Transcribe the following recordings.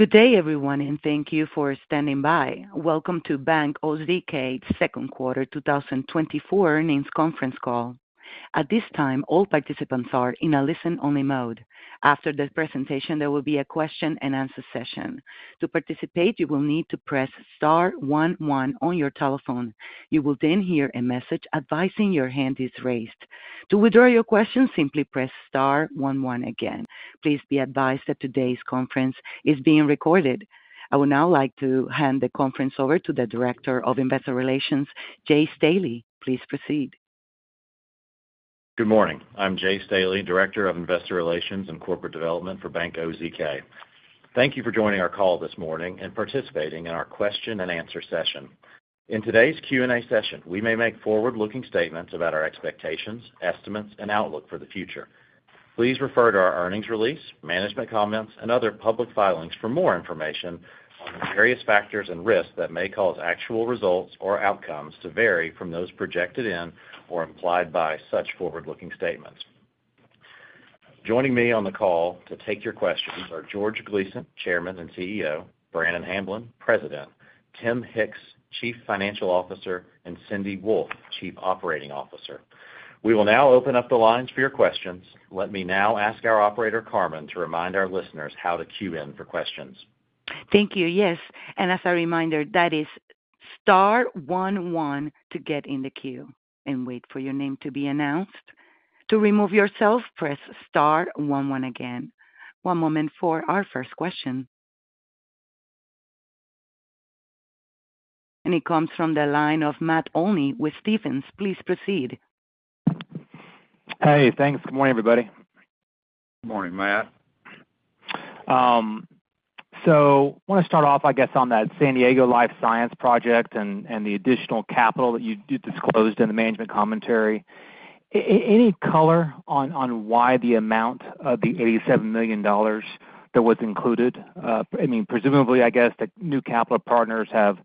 Good day, everyone, and thank you for standing by. Welcome to Bank OZK Second Quarter 2024 Earnings Conference Call. At this time, all participants are in a listen-only mode. After the presentation, there will be a question-and-answer session. To participate, you will need to press star one, one on your telephone. You will then hear a message advising your hand is raised. To withdraw your question, simply press star one, one again. Please be advised that today's conference is being recorded. I would now like to hand the conference over to the Director of Investor Relations, Jay Staley. Please proceed. Good morning. I'm Jay Staley, Director of Investor Relations and Corporate Development for Bank OZK. Thank you for joining our call this morning and participating in our question-and-answer session. In today's Q&A session, we may make forward-looking statements about our expectations, estimates, and outlook for the future. Please refer to our earnings release, management comments, and other public filings for more information on the various factors and risks that may cause actual results or outcomes to vary from those projected in or implied by such forward-looking statements. Joining me on the call to take your questions are George Gleason, Chairman and CEO, Brannon Hamblen, President, Tim Hicks, Chief Financial Officer, and Cindy Wolfe, Chief Operating Officer. We will now open up the lines for your questions. Let me now ask our operator, Carmen, to remind our listeners how to queue in for questions. Thank you. Yes, and as a reminder, that is star 1,1 to get in the queue and wait for your name to be announced. To remove yourself, press star 1,1 again. One moment for our first question... It comes from the line of Matt Olney with Stephens. Please proceed. Hey, thanks. Good morning, everybody. Good morning, Matt. So wanna start off, I guess, on that San Diego life science project and the additional capital that you disclosed in the management commentary. Any color on why the amount of the $87 million that was included? I mean, presumably, I guess, the new capital partners have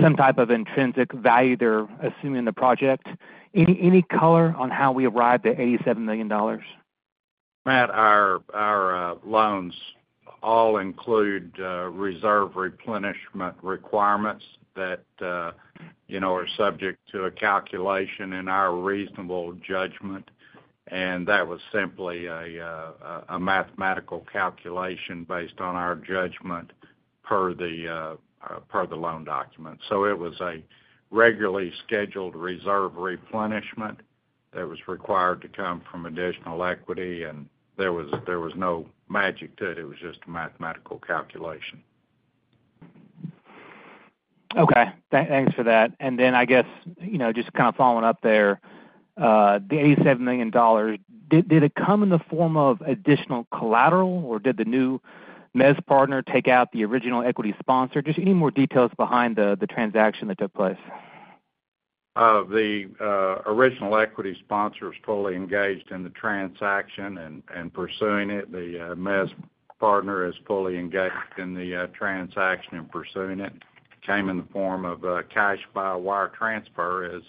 some type of intrinsic value they're assuming in the project. Any color on how we arrived at $87 million? Matt, our loans all include reserve replenishment requirements that you know are subject to a calculation in our reasonable judgment, and that was simply a mathematical calculation based on our judgment per the loan document. So it was a regularly scheduled reserve replenishment that was required to come from additional equity, and there was no magic to it. It was just a mathematical calculation. Okay. Thanks for that. And then, I guess, you know, just kind of following up there, the $87 million, did it come in the form of additional collateral, or did the new mezz partner take out the original equity sponsor? Just any more details behind the transaction that took place. The original equity sponsor is fully engaged in the transaction and pursuing it. The mezz partner is fully engaged in the transaction and pursuing it. Came in the form of cash via wire transfer, as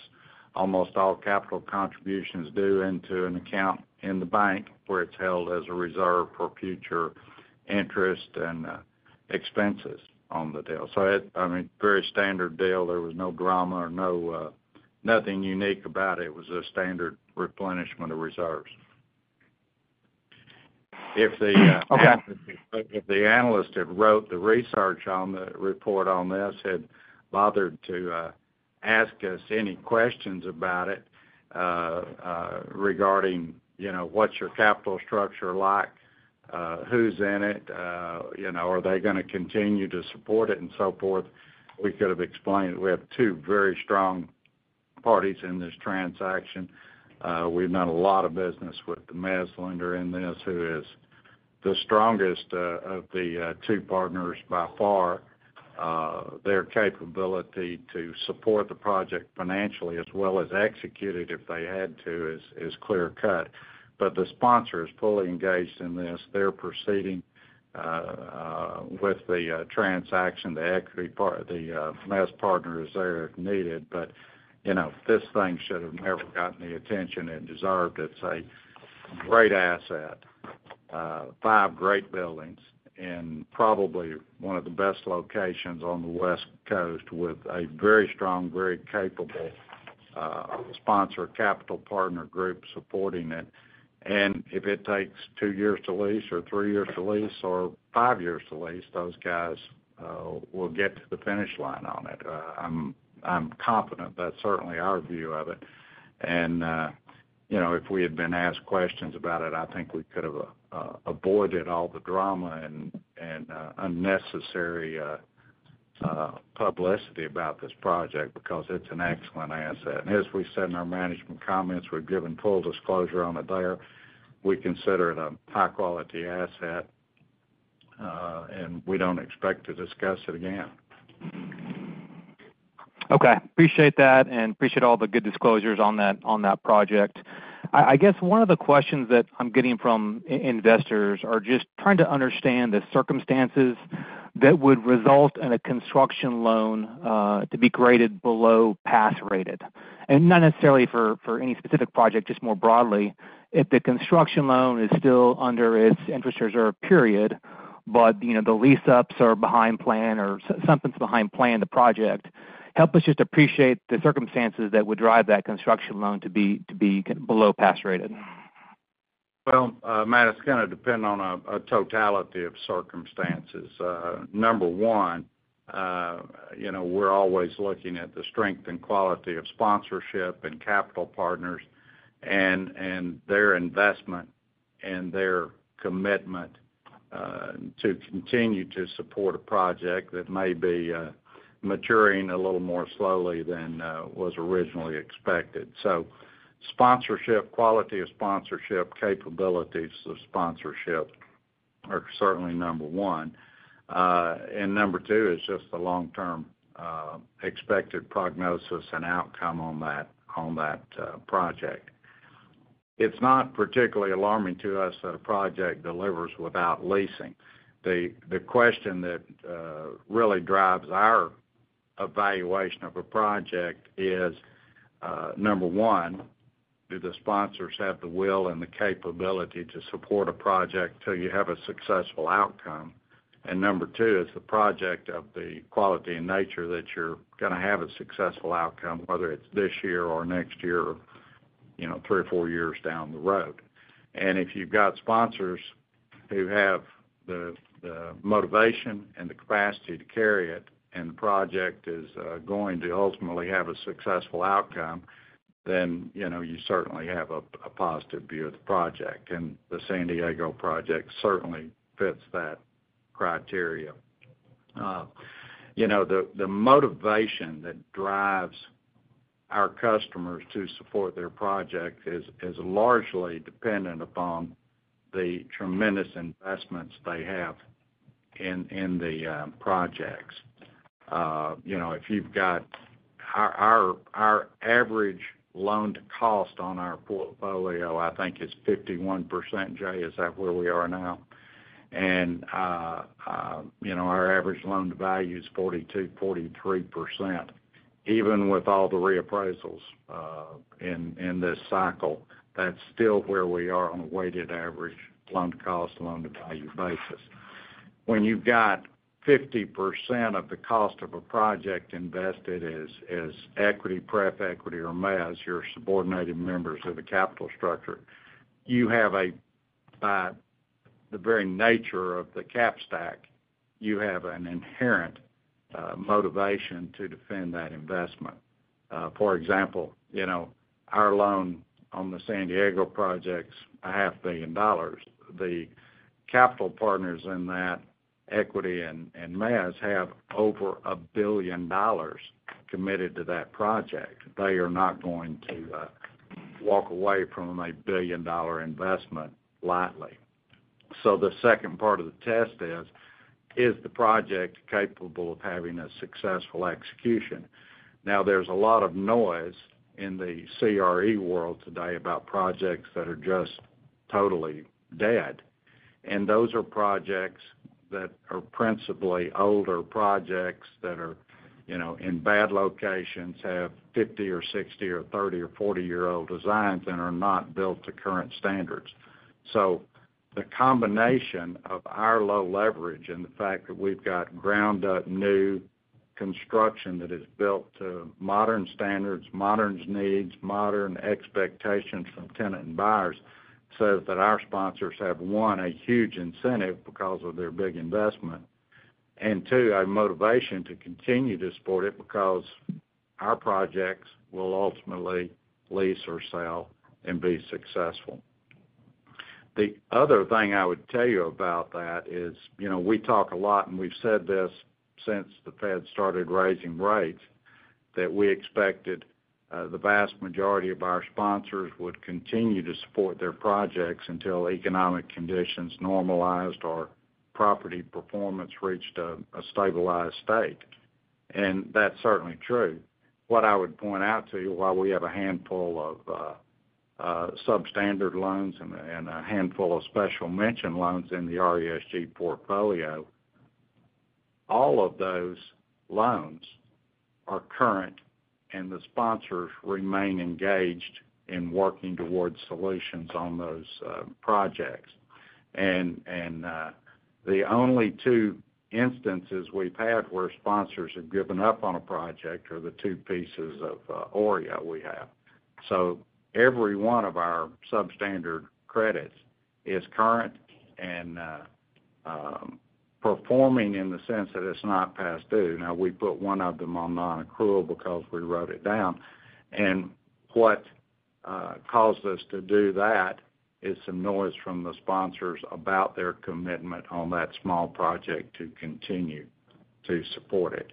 almost all capital contributions do, into an account in the bank, where it's held as a reserve for future interest and expenses on the deal. So it—I mean, very standard deal. There was no drama or no nothing unique about it. It was a standard replenishment of reserves. If the Okay. If the analyst that wrote the research on the report on this had bothered to ask us any questions about it, regarding, you know, what's your capital structure like? Who's in it? You know, are they gonna continue to support it and so forth, we could have explained it. We have two very strong parties in this transaction. We've done a lot of business with the mezz lender in this, who is the strongest of the two partners by far. Their capability to support the project financially, as well as execute it if they had to, is clear-cut. But the sponsor is fully engaged in this. They're proceeding with the transaction. The equity part, the mezz partner, is there if needed, but, you know, this thing should have never gotten the attention it deserved. It's a great asset, 5 great buildings, and probably one of the best locations on the West Coast with a very strong, very capable, sponsor, capital partner group supporting it. And if it takes 2 years to lease or 3 years to lease or 5 years to lease, those guys will get to the finish line on it. I'm confident. That's certainly our view of it. And, you know, if we had been asked questions about it, I think we could have avoided all the drama and unnecessary publicity about this project because it's an excellent asset. And as we said in our management comments, we've given full disclosure on it there. We consider it a high-quality asset, and we don't expect to discuss it again. Okay. Appreciate that, and appreciate all the good disclosures on that, on that project. I guess one of the questions that I'm getting from investors are just trying to understand the circumstances that would result in a construction loan to be graded below pass rated? And not necessarily for any specific project, just more broadly. If the construction loan is still under its interest reserve period, but you know, the lease-ups are behind plan or something's behind plan, the project. Help us just appreciate the circumstances that would drive that construction loan to be below pass rated. Well, Matt, it's gonna depend on a totality of circumstances. Number one, you know, we're always looking at the strength and quality of sponsorship and capital partners, and their investment and their commitment to continue to support a project that may be maturing a little more slowly than was originally expected. So sponsorship, quality of sponsorship, capabilities of sponsorship are certainly number one. And number two is just the long-term expected prognosis and outcome on that project. It's not particularly alarming to us that a project delivers without leasing. The question that really drives our evaluation of a project is number one, do the sponsors have the will and the capability to support a project till you have a successful outcome? And number two, is the project of the quality and nature that you're gonna have a successful outcome, whether it's this year or next year, or, you know, three or four years down the road. And if you've got sponsors who have the motivation and the capacity to carry it, and the project is going to ultimately have a successful outcome, then, you know, you certainly have a positive view of the project. And the San Diego project certainly fits that criteria. You know, the motivation that drives our customers to support their project is largely dependent upon the tremendous investments they have in the projects. You know, if you've got our average loan to cost on our portfolio, I think is 51%. Jay, is that where we are now? You know, our average loan to value is 42%-43%. Even with all the reappraisals in this cycle, that's still where we are on a weighted average loan to cost, loan to value basis. When you've got 50% of the cost of a project invested as equity, pref equity or mezz, your subordinated members of the capital structure, the very nature of the cap stack, you have an inherent motivation to defend that investment. For example, you know, our loan on the San Diego project's $500 million. The capital partners in that equity and mezz have over $1 billion committed to that project. They are not going to walk away from a billion-dollar investment lightly. So the second part of the test is, is the project capable of having a successful execution? Now, there's a lot of noise in the CRE world today about projects that are just totally dead, and those are projects that are principally older projects that are, you know, in bad locations, have 50-year-old or 60-year-old or 30-year-old or 40-year-old designs and are not built to current standards. So the combination of our low leverage and the fact that we've got ground up new construction that is built to modern standards, modern needs, modern expectations from tenant and buyers, so that our sponsors have, one, a huge incentive because of their big investment, and two, a motivation to continue to support it because our projects will ultimately lease or sell and be successful. The other thing I would tell you about that is, you know, we talk a lot, and we've said this since the Fed started raising rates, that we expected the vast majority of our sponsors would continue to support their projects until economic conditions normalized or property performance reached a stabilized state. And that's certainly true. What I would point out to you, while we have a handful of substandard loans and a handful of special mention loans in the RESG portfolio, all of those loans are current, and the sponsors remain engaged in working towards solutions on those projects. And the only two instances we've had where sponsors have given up on a project are the two pieces of OREO we have. So every one of our substandard credits is current and, performing in the sense that it's not past due. Now, we put one of them on non-accrual because we wrote it down, and what caused us to do that is some noise from the sponsors about their commitment on that small project to continue to support it.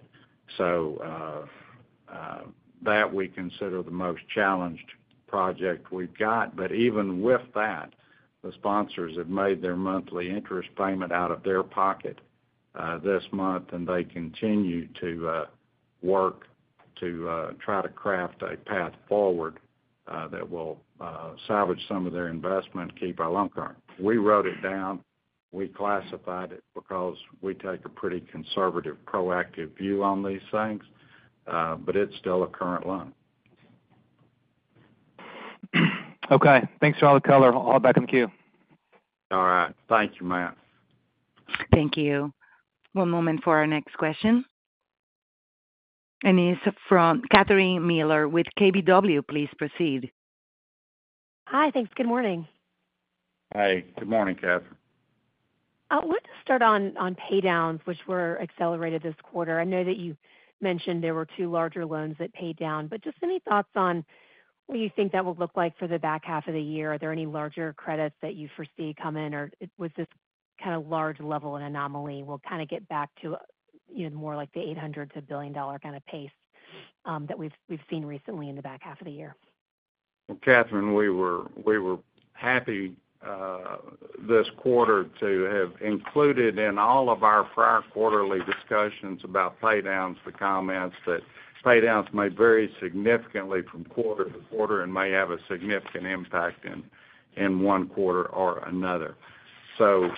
So, that we consider the most challenged project we've got. But even with that, the sponsors have made their monthly interest payment out of their pocket, this month, and they continue to work to try to craft a path forward, that will salvage some of their investment, keep a loan current. We wrote it down, we classified it because we take a pretty conservative, proactive view on these things, but it's still a current loan. Okay. Thanks for all the color. I'll back in the queue. All right. Thank you, Matt. Thank you. One moment for our next question. It's from Catherine Mealor with KBW. Please proceed. Hi, thanks. Good morning. Hi, good morning, Kathryn. I want to start on paydowns, which were accelerated this quarter. I know that you mentioned there were two larger loans that paid down, but just any thoughts on what you think that will look like for the back half of the year? Are there any larger credits that you foresee coming, or was this kind of large level an anomaly? We'll kind of get back to, you know, more like the $800 million-$1 billion kind of pace that we've seen recently in the back half of the year. Well, Catherine, we were happy this quarter to have included in all of our prior quarterly discussions about paydowns, the comments that paydowns may vary significantly from quarter to quarter and may have a significant impact in one quarter or another. So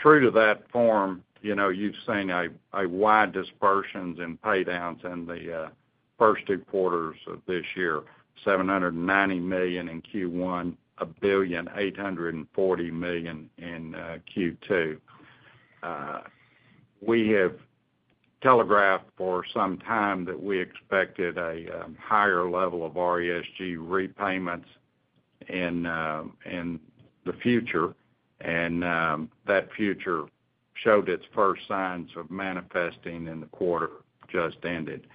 true to that form, you know, you've seen a wide dispersions in paydowns in the first two quarters of this year, $790 million in Q1, $1.84 billion in Q2. We have telegraphed for some time that we expected a higher level of RESG repayments in the future, and that future showed its first signs of manifesting in the quarter just ended.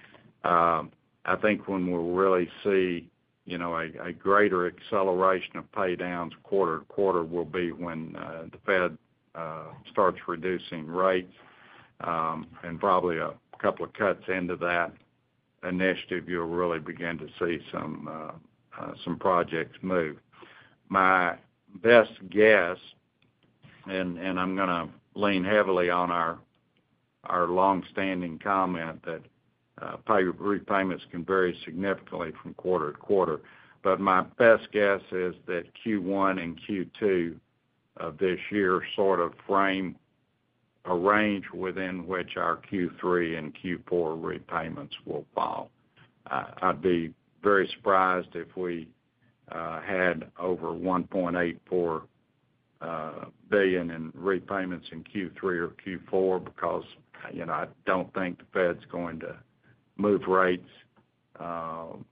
I think when we'll really see, you know, a greater acceleration of paydowns quarter to quarter will be when the Fed starts reducing rates, and probably a couple of cuts into that initiative, you'll really begin to see some projects move. My best guess, and I'm going to lean heavily on our long-standing comment that repayments can vary significantly from quarter to quarter. But my best guess is that Q1 and Q2 of this year sort of frame a range within which our Q3 and Q4 repayments will fall. I'd be very surprised if we had over $1.84 billion in repayments in Q3 or Q4, because, you know, I don't think the Fed's going to move rates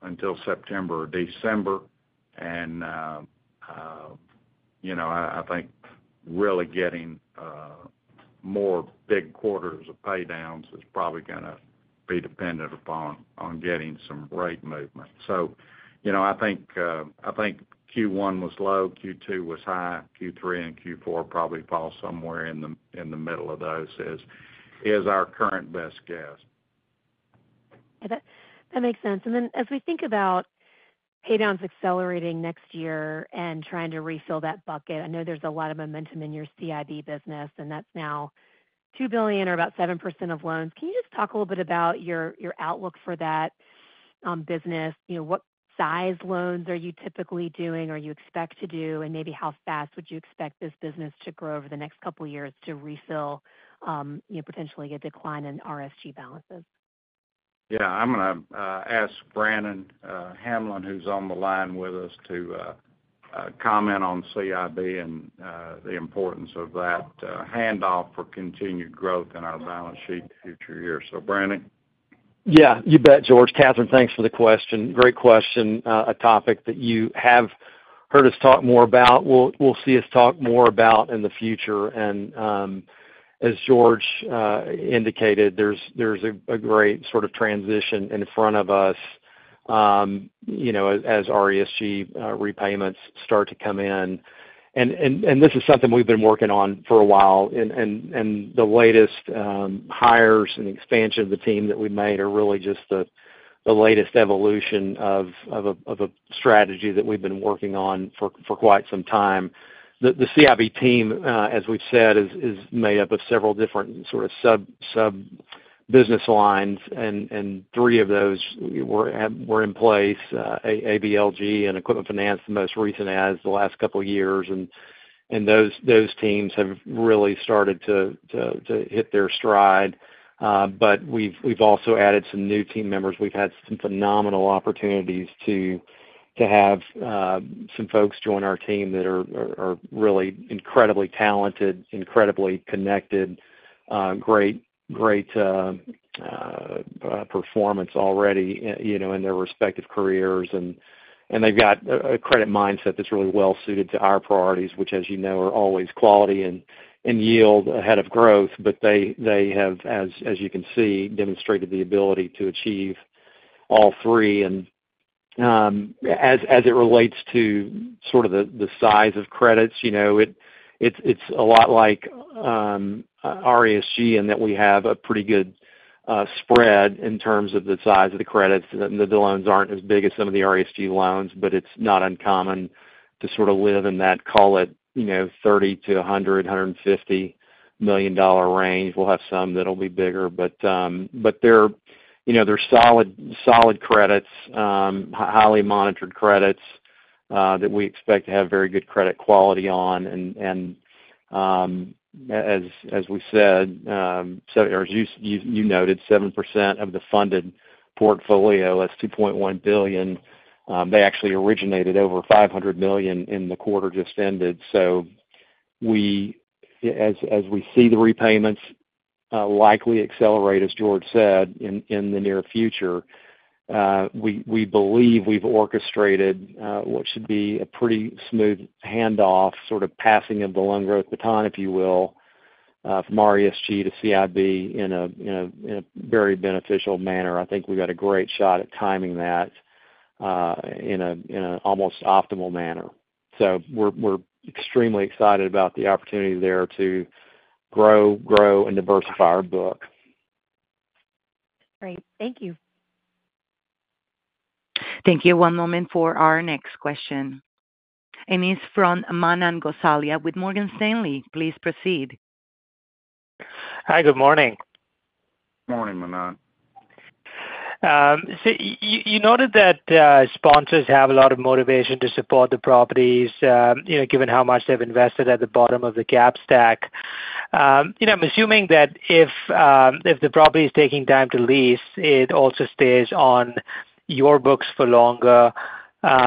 until September or December. You know, I think really getting more big quarters of paydowns is probably going to be dependent upon getting some rate movement. So, you know, I think Q1 was low, Q2 was high, Q3 and Q4 probably fall somewhere in the middle of those, is our current best guess. That, that makes sense. And then as we think about paydowns accelerating next year and trying to refill that bucket, I know there's a lot of momentum in your CIB business, and that's now $2 billion or about 7% of loans. Can you just talk a little bit about your outlook for that business? You know, what size loans are you typically doing or you expect to do? And maybe how fast would you expect this business to grow over the next couple of years to refill, you know, potentially a decline in RESG balances? Yeah, I'm going to ask Brannon Hamblen, who's on the line with us, to comment on CIB and the importance of that handoff for continued growth in our balance sheet future here. So Brannon? Yeah, you bet, George. Catherine, thanks for the question. Great question. A topic that you have heard us talk more about, we'll see us talk more about in the future. And as George indicated, there's a great sort of transition in front of us, you know, as RESG repayments start to come in. And this is something we've been working on for a while, and the latest hires and expansion of the team that we made are really just the latest evolution of a strategy that we've been working on for quite some time. The CIB team, as we've said, is made up of several different sort of sub business lines, and three of those were in place, ABLG and Equipment Finance, the most recent adds the last couple of years. And those teams have really started to hit their stride. But we've also added some new team members. We've had some phenomenal opportunities to have some folks join our team that are really incredibly talented, incredibly connected, great performance already, you know, in their respective careers. And they've got a credit mindset that's really well suited to our priorities, which, as you know, are always quality and yield ahead of growth. But they have, as you can see, demonstrated the ability to achieve all three. As it relates to sort of the size of credits, you know, it's a lot like RESG, in that we have a pretty good spread in terms of the size of the credits. The loans aren't as big as some of the RESG loans, but it's not uncommon.... to sort of live in that, call it, you know, 30 million to 100 million, 150 million dollar range. We'll have some that'll be bigger, but, but they're, you know, they're solid, solid credits, highly monitored credits, that we expect to have very good credit quality on. And, and, as, as we said, so, or as you noted, 7% of the funded portfolio, that's $2.1 billion, they actually originated over $500 million in the quarter just ended. So as, as we see the repayments, likely accelerate, as George said, in the near future, we, we believe we've orchestrated, what should be a pretty smooth handoff, sort of passing of the loan growth baton, if you will, from RESG to CIB in a, in a, in a very beneficial manner. I think we've got a great shot at timing that in an almost optimal manner. So we're extremely excited about the opportunity there to grow and diversify our book. Great. Thank you. Thank you. One moment for our next question, and it's from Manan Gosalia with Morgan Stanley. Please proceed. Hi, good morning. Morning, Manan. So you noted that sponsors have a lot of motivation to support the properties, you know, given how much they've invested at the bottom of the cap stack. You know, I'm assuming that if the property is taking time to lease, it also stays on your books for longer. So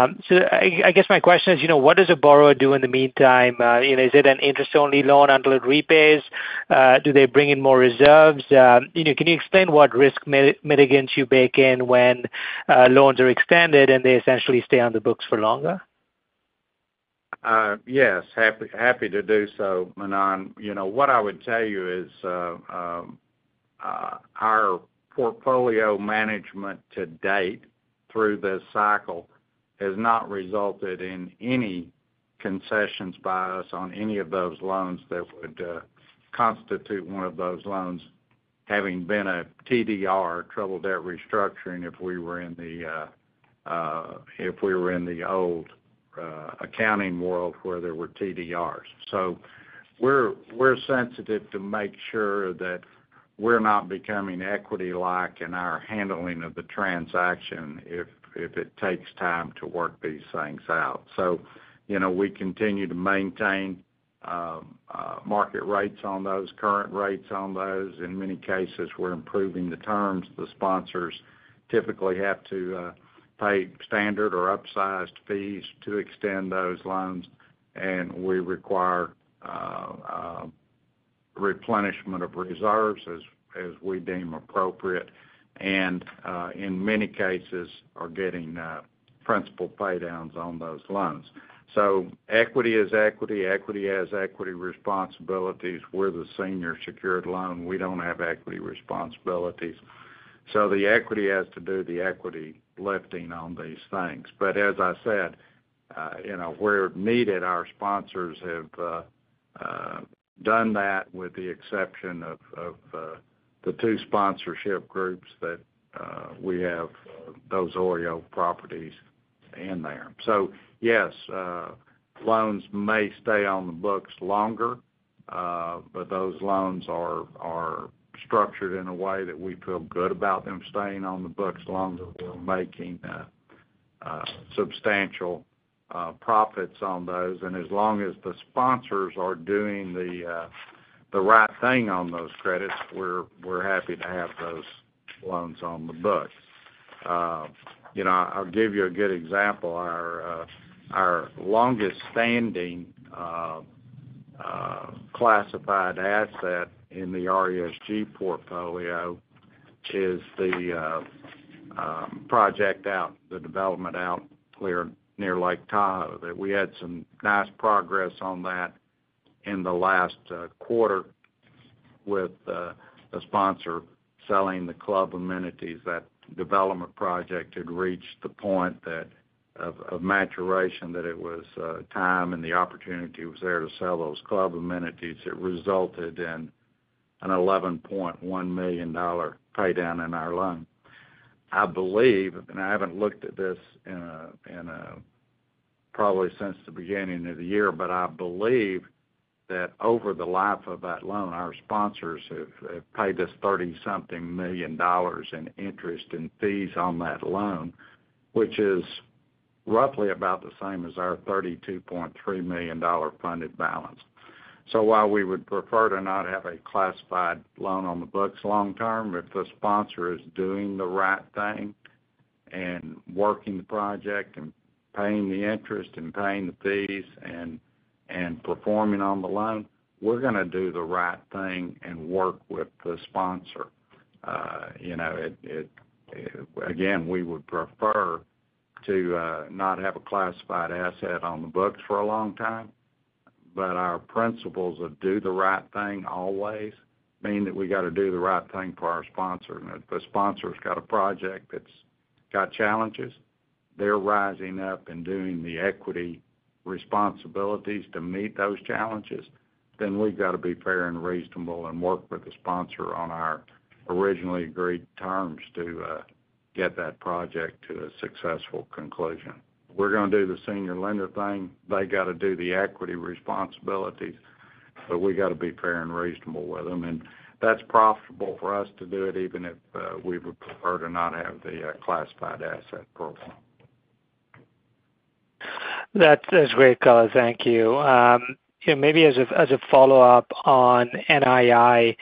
I guess my question is, you know, what does a borrower do in the meantime? You know, is it an interest-only loan until it repays? Do they bring in more reserves? You know, can you explain what risk mitigants you bake in when loans are extended, and they essentially stay on the books for longer? Yes, happy to do so, Manan. You know, what I would tell you is, our portfolio management to date through this cycle has not resulted in any concessions by us on any of those loans that would constitute one of those loans having been a TDR, Troubled Debt Restructuring, if we were in the old accounting world where there were TDRs. So we're sensitive to make sure that we're not becoming equity-like in our handling of the transaction, if it takes time to work these things out. So, you know, we continue to maintain market rates on those, current rates on those. In many cases, we're improving the terms. The sponsors typically have to pay standard or upsized fees to extend those loans, and we require replenishment of reserves as we deem appropriate, and in many cases, are getting principal paydowns on those loans. So equity is equity. Equity has equity responsibilities. We're the senior secured loan. We don't have equity responsibilities. So the equity has to do the equity lifting on these things. But as I said, you know, where needed, our sponsors have done that, with the exception of the two sponsorship groups that we have those OREO properties in there. So yes, loans may stay on the books longer, but those loans are structured in a way that we feel good about them staying on the books longer. We're making substantial profits on those. As long as the sponsors are doing the right thing on those credits, we're happy to have those loans on the books. You know, I'll give you a good example. Our longest standing classified asset in the RESG portfolio is the project out, the development out there near Lake Tahoe, that we had some nice progress on that in the last quarter with a sponsor selling the club amenities. That development project had reached the point that of maturation, that it was time, and the opportunity was there to sell those club amenities. It resulted in an $11.1 million paydown in our loan. I believe, and I haven't looked at this in a probably since the beginning of the year, but I believe that over the life of that loan, our sponsors have paid us $30-something million in interest and fees on that loan, which is roughly about the same as our $32.3 million funded balance. So while we would prefer to not have a classified loan on the books long term, if the sponsor is doing the right thing and working the project, and paying the interest, and paying the fees, and performing on the loan, we're gonna do the right thing and work with the sponsor. You know, again, we would prefer to not have a classified asset on the books for a long time, but our principles of do the right thing always mean that we gotta do the right thing for our sponsor. And if the sponsor's got a project that's got challenges, they're rising up and doing the equity responsibilities to meet those challenges, then we've got to be fair and reasonable and work with the sponsor on our originally agreed terms to get that project to a successful conclusion. We're going to do the senior lender thing. They got to do the equity responsibilities, but we got to be fair and reasonable with them, and that's profitable for us to do it, even if we would prefer to not have the classified asset profile. That is great, Cullen. Thank you. You know, maybe as a follow-up on NII,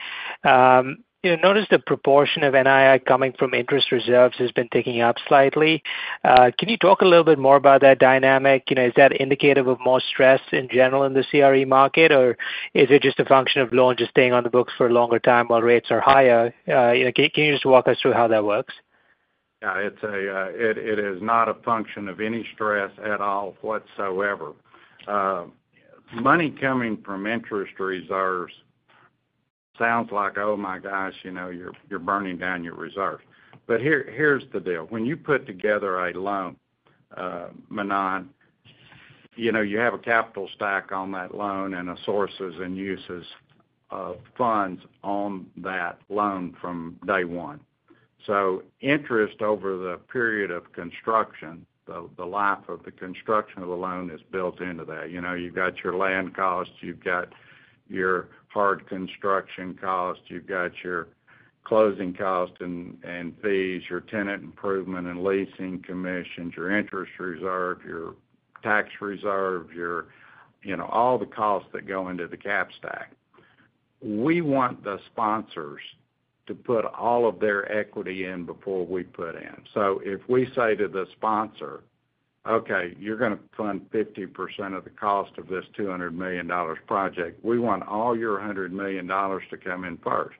you notice the proportion of NII coming from interest reserves has been ticking up slightly. Can you talk a little bit more about that dynamic? You know, is that indicative of more stress in general in the CRE market, or is it just a function of loans just staying on the books for a longer time while rates are higher? You know, can you just walk us through how that works? Yeah, it's a it is not a function of any stress at all, whatsoever. Money coming from interest reserves sounds like, oh, my gosh, you know, you're burning down your reserves. But here, here's the deal. When you put together a loan, Manan, you know, you have a capital stack on that loan and a sources and uses of funds on that loan from day one. So interest over the period of construction, the life of the construction of the loan is built into that. You know, you've got your land costs, you've got your hard construction costs, you've got your closing costs and fees, your tenant improvement and leasing commissions, your interest reserve, your tax reserve, you know, all the costs that go into the cap stack. We want the sponsors to put all of their equity in before we put in. So if we say to the sponsor, "Okay, you're going to fund 50% of the cost of this $200 million project, we want all your $100 million to come in first."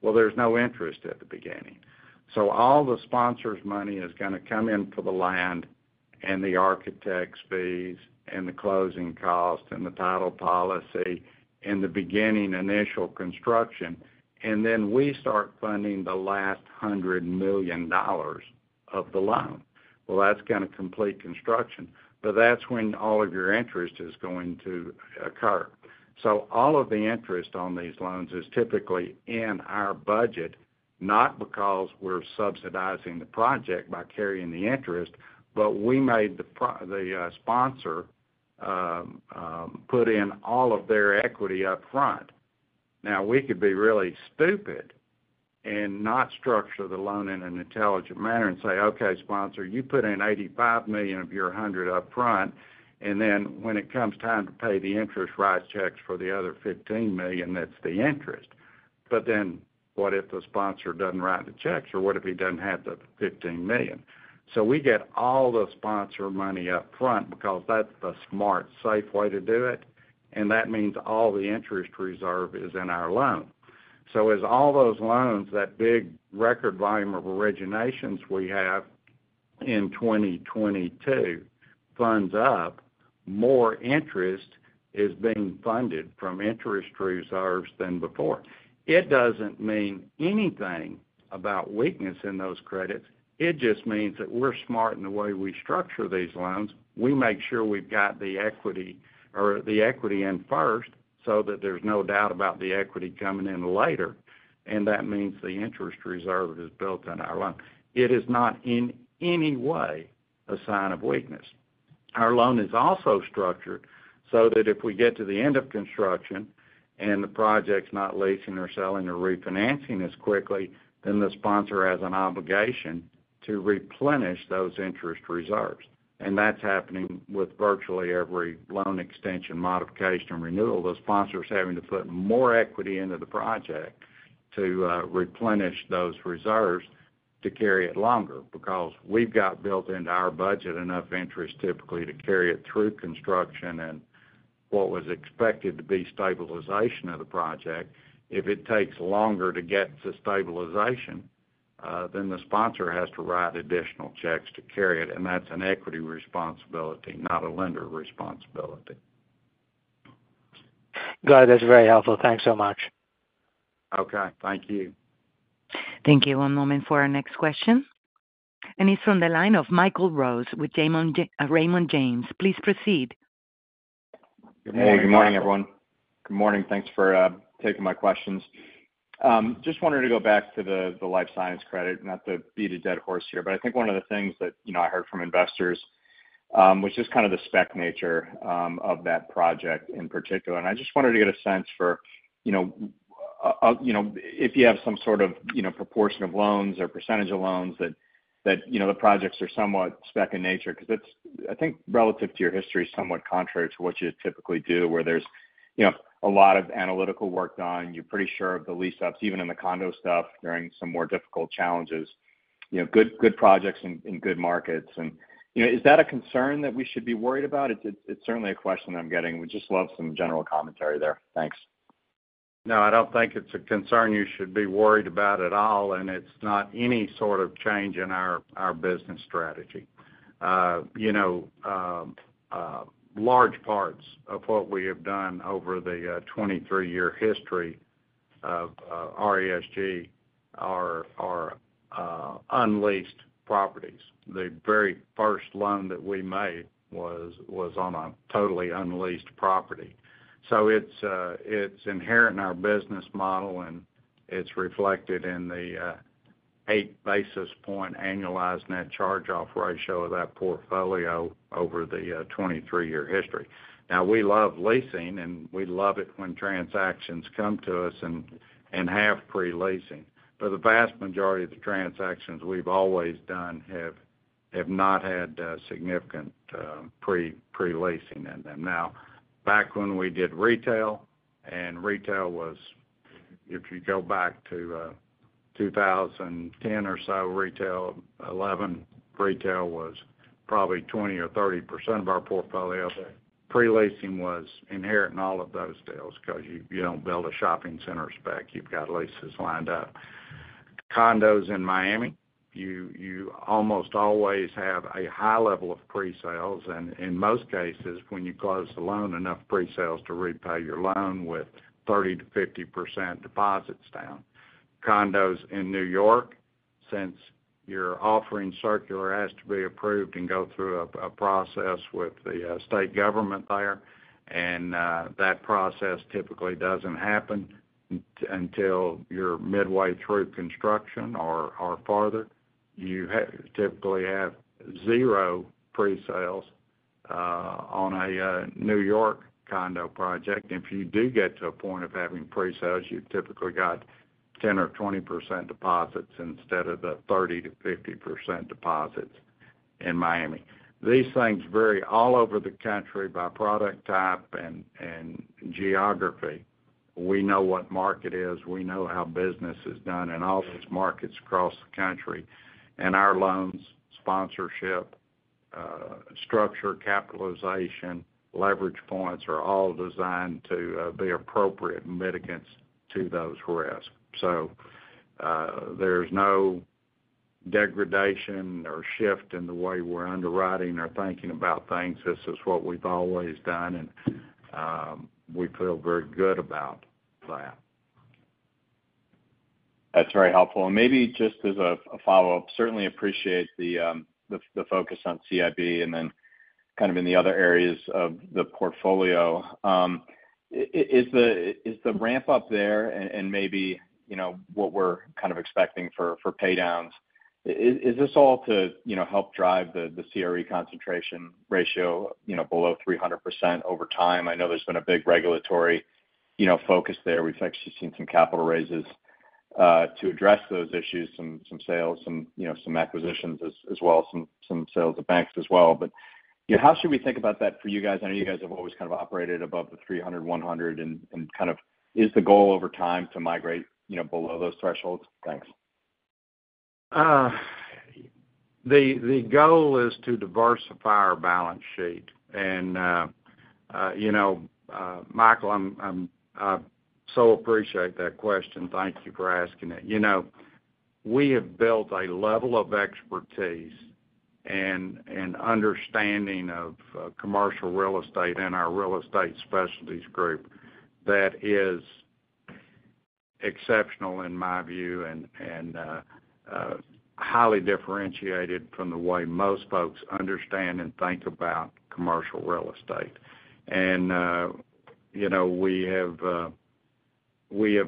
Well, there's no interest at the beginning. So all the sponsor's money is going to come in for the land and the architect's fees, and the closing costs, and the title policy, and the beginning initial construction, and then we start funding the last $100 million of the loan. Well, that's going to complete construction, but that's when all of your interest is going to occur. So all of the interest on these loans is typically in our budget, not because we're subsidizing the project by carrying the interest, but we made the sponsor put in all of their equity upfront. Now, we could be really stupid and not structure the loan in an intelligent manner and say, "Okay, sponsor, you put in $85 million of your $100 million upfront, and then when it comes time to pay the interest, write checks for the other $15 million, that's the interest." But then what if the sponsor doesn't write the checks? Or what if he doesn't have the $15 million? So we get all the sponsor money upfront because that's the smart, safe way to do it, and that means all the interest reserve is in our loan. So as all those loans, that big record volume of originations we have in 2022, funds up, more interest is being funded from interest reserves than before. It doesn't mean anything about weakness in those credits. It just means that we're smart in the way we structure these loans. We make sure we've got the equity, or the equity in first, so that there's no doubt about the equity coming in later, and that means the interest reserve is built on our loan. It is not in any way a sign of weakness. Our loan is also structured so that if we get to the end of construction and the project's not leasing or selling or refinancing as quickly, then the sponsor has an obligation to replenish those interest reserves. And that's happening with virtually every loan extension, modification, and renewal. The sponsors having to put more equity into the project to replenish those reserves to carry it longer, because we've got built into our budget enough interest typically to carry it through construction and what was expected to be stabilization of the project. If it takes longer to get to stabilization, then the sponsor has to write additional checks to carry it, and that's an equity responsibility, not a lender responsibility. Got it. That's very helpful. Thanks so much. Okay, thank you. Thank you. One moment for our next question, and it's from the line of Michael Rose with Raymond James. Please proceed. Good morning, everyone. Good morning. Thanks for taking my questions. Just wanted to go back to the life science credit, not to beat a dead horse here, but I think one of the things that, you know, I heard from investors, was just kind of the spec nature of that project in particular. And I just wanted to get a sense for, you know, you know, if you have some sort of, you know, proportion of loans or percentage of loans that, you know, the projects are somewhat spec in nature, because it's, I think, relative to your history, somewhat contrary to what you typically do, where there's, you know, a lot of analytical work done. You're pretty sure of the lease ups, even in the condo stuff, during some more difficult challenges, you know, good, good projects in good markets. You know, is that a concern that we should be worried about? It's, it's certainly a question I'm getting. Would just love some general commentary there. Thanks. No, I don't think it's a concern you should be worried about at all, and it's not any sort of change in our business strategy. You know, large parts of what we have done over the 23-year history of RESG are unleased properties. The very first loan that we made was on a totally unleased property. So it's inherent in our business model, and it's reflected in the eight basis point annualized net charge-off ratio of that portfolio over the 23-year history. Now, we love leasing, and we love it when transactions come to us and have pre-leasing. But the vast majority of the transactions we've always done have not had significant pre-leasing in them. Now, back when we did retail, and retail was, if you go back to 2010 or so, retail, 2011, retail was probably 20% or 30% of our portfolio. Pre-leasing was inherent in all of those deals because you don't build a shopping center spec. You've got leases lined up. Condos in Miami, you almost always have a high level of pre-sales, and in most cases, when you close the loan, enough pre-sales to repay your loan with 30%-50% deposits down. Condos in New York, since your offering circular has to be approved and go through a process with the state government there, and that process typically doesn't happen until you're midway through construction or farther. You typically have zero pre-sales on a New York condo project. If you do get to a point of having pre-sales, you typically got 10% or 20% deposits instead of the 30%-50% deposits in Miami. These things vary all over the country by product type and geography. We know what market is, we know how business is done in all these markets across the country. And our loans, sponsorship, structure, capitalization, leverage points, are all designed to be appropriate mitigants to those risks. So, there's no degradation or shift in the way we're underwriting or thinking about things. This is what we've always done, and we feel very good about that. That's very helpful. And maybe just as a follow-up, certainly appreciate the, the focus on CIB and then kind of in the other areas of the portfolio. Is the ramp up there, and maybe, you know, what we're kind of expecting for pay downs, is this all to, you know, help drive the, the CRE concentration ratio, you know, below 300% over time? I know there's been a big regulatory, you know, focus there. We've actually seen some capital raises to address those issues, some sales, some, you know, some acquisitions as well, some sales of banks as well. But, yeah, how should we think about that for you guys? I know you guys have always kind of operated above the 300/100, and kind of is the goal over time to migrate, you know, below those thresholds? Thanks. The goal is to diversify our balance sheet. And, you know, Michael, I'm so appreciate that question. Thank you for asking it. You know, we have built a level of expertise and understanding of commercial real estate in our Real Estate Specialties Group that is exceptional, in my view, and highly differentiated from the way most folks understand and think about commercial real estate. And, you know, we have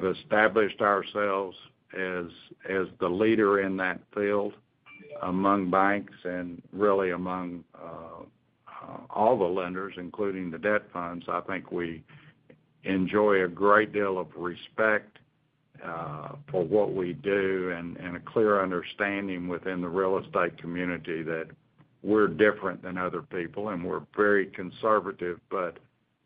established ourselves as the leader in that field among banks and really among all the lenders, including the debt funds. I think we enjoy a great deal of respect for what we do and a clear understanding within the real estate community that we're different than other people, and we're very conservative, but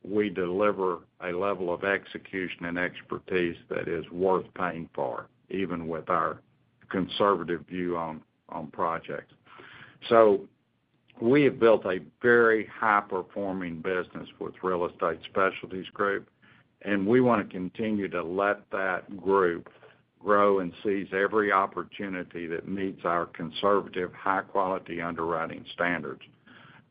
we deliver a level of execution and expertise that is worth paying for, even with our conservative view on projects. So we have built a very high-performing business with Real Estate Specialties Group, and we want to continue to let that group grow and seize every opportunity that meets our conservative, high-quality underwriting standards.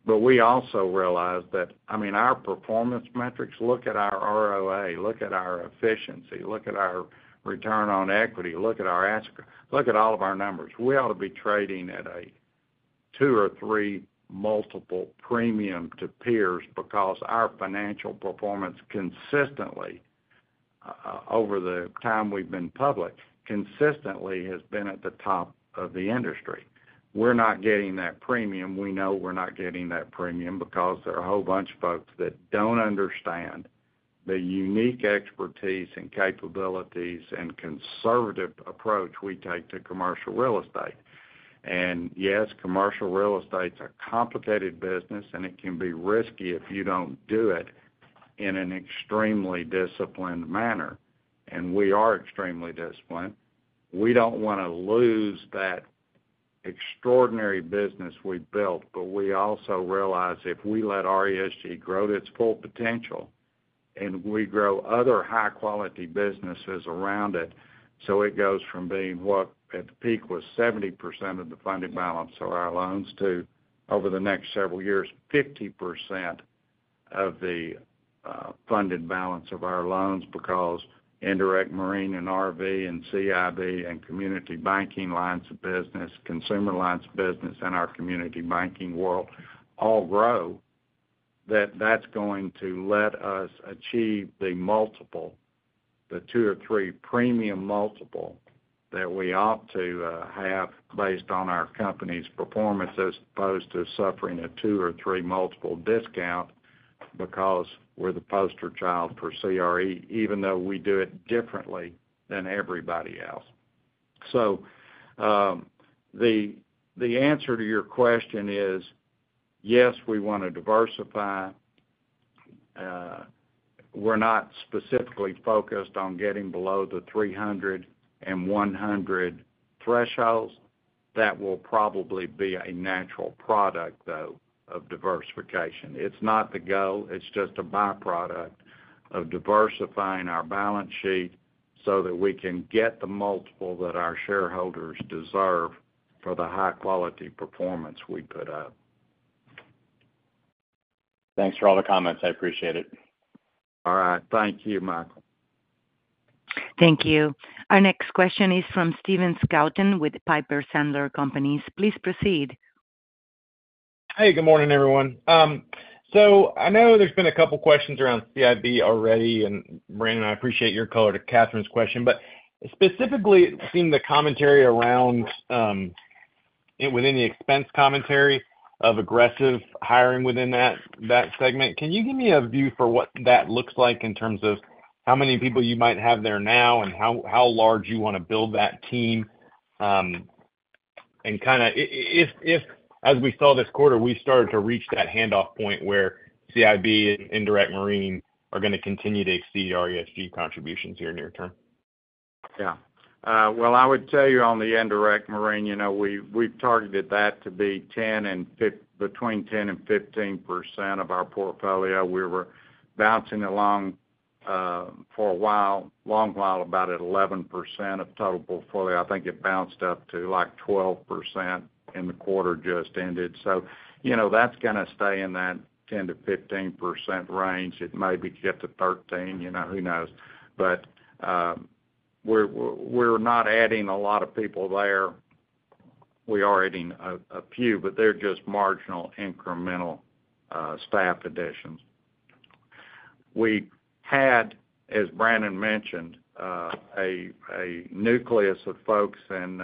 But we also realize that, I mean, our performance metrics, look at our ROA, look at our efficiency, look at our return on equity, look at our ACLR, look at all of our numbers. We ought to be trading at a 2 or 3 multiple premium to peers because our financial performance consistently over the time we've been public, consistently has been at the top of the industry. We're not getting that premium. We know we're not getting that premium because there are a whole bunch of folks that don't understand the unique expertise and capabilities and conservative approach we take to commercial real estate. Yes, commercial real estate's a complicated business, and it can be risky if you don't do it in an extremely disciplined manner, and we are extremely disciplined. We don't want to lose that extraordinary business we built, but we also realize if we let RESG grow to its full potential, and we grow other high-quality businesses around it, so it goes from being what, at the peak, was 70% of the funded balance of our loans to, over the next several years, 50% of the funded balance of our loans. Because Indirect Marine and RV and CIB and Community Banking lines of business, consumer lines of business, and our Community Banking world all grow, that that's going to let us achieve the multiple, the two premium multiple or three premium multiple, that we ought to have based on our company's performance, as opposed to suffering a 2 or 3 multiple discount because we're the poster child for CRE, even though we do it differently than everybody else. So, the answer to your question is, yes, we want to diversify. We're not specifically focused on getting below the 300 and 100 thresholds. That will probably be a natural product, though, of diversification. It's not the goal, it's just a byproduct of diversifying our balance sheet so that we can get the multiple that our shareholders deserve for the high-quality performance we put up. Thanks for all the comments. I appreciate it. All right. Thank you, Michael. Thank you. Our next question is from Stephen Scouten with Piper Sandler Companies. Please proceed. Hey, good morning, everyone. So I know there's been a couple questions around CIB already, and Brannon, I appreciate your color to Catherine's question. But specifically, seeing the commentary around within the expense commentary of aggressive hiring within that segment, can you give me a view for what that looks like in terms of how many people you might have there now, and how large you want to build that team? And kind of if, if, as we saw this quarter, we started to reach that handoff point where CIB and Indirect Marine are going to continue to exceed RESG contributions here near term. Yeah. Well, I would tell you on the Indirect Marine, you know, we've targeted that to be between 10% and 15% of our portfolio. We were bouncing along for a while, long while, about at 11% of total portfolio. I think it bounced up to, like, 12% in the quarter just ended. So, you know, that's going to stay in that 10%-15% range. It may get to 13, you know, who knows? But, we're not adding a lot of people there. We are adding a few, but they're just marginal, incremental staff additions. We had, as Brandon mentioned, a nucleus of folks in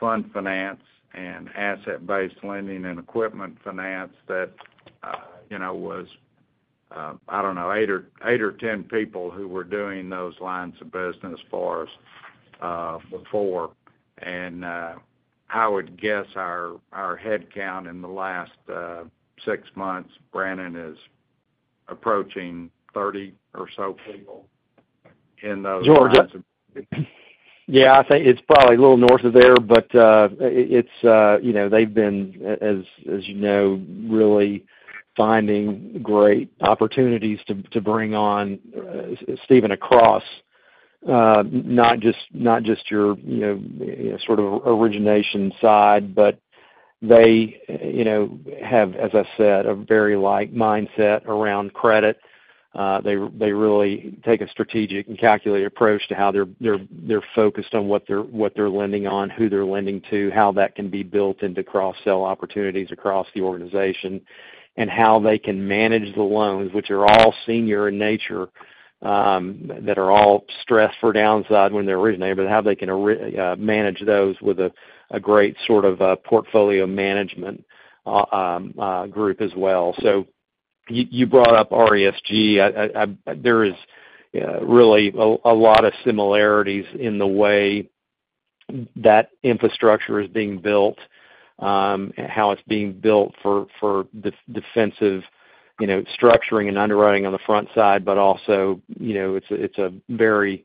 Fund Finance and Asset-Based Lending and Equipment Finance that, you know, was, I don't know, 8 or 8 or 10 people who were doing those lines of business for us, before. I would guess our headcount in the last six months, Brandon, is approaching 30 or so people in those lines of- George. Yeah, I think it's probably a little north of there, but, it's, you know, they've been, as you know, really finding great opportunities to bring on, Steven, across, not just your, you know, sort of origination side, but they, you know, have, as I said, a very light mindset around credit. They really take a strategic and calculated approach to how they're focused on what they're lending on, who they're lending to, how that can be built into cross-sell opportunities across the organization, and how they can manage the loans, which are all senior in nature, that are all stressed for downside when they're originated, but how they can manage those with a great sort of, portfolio management, group as well. So you brought up RESG. There is really a lot of similarities in the way that infrastructure is being built, and how it's being built for the defensive, you know, structuring and underwriting on the front side, but also, you know, it's a very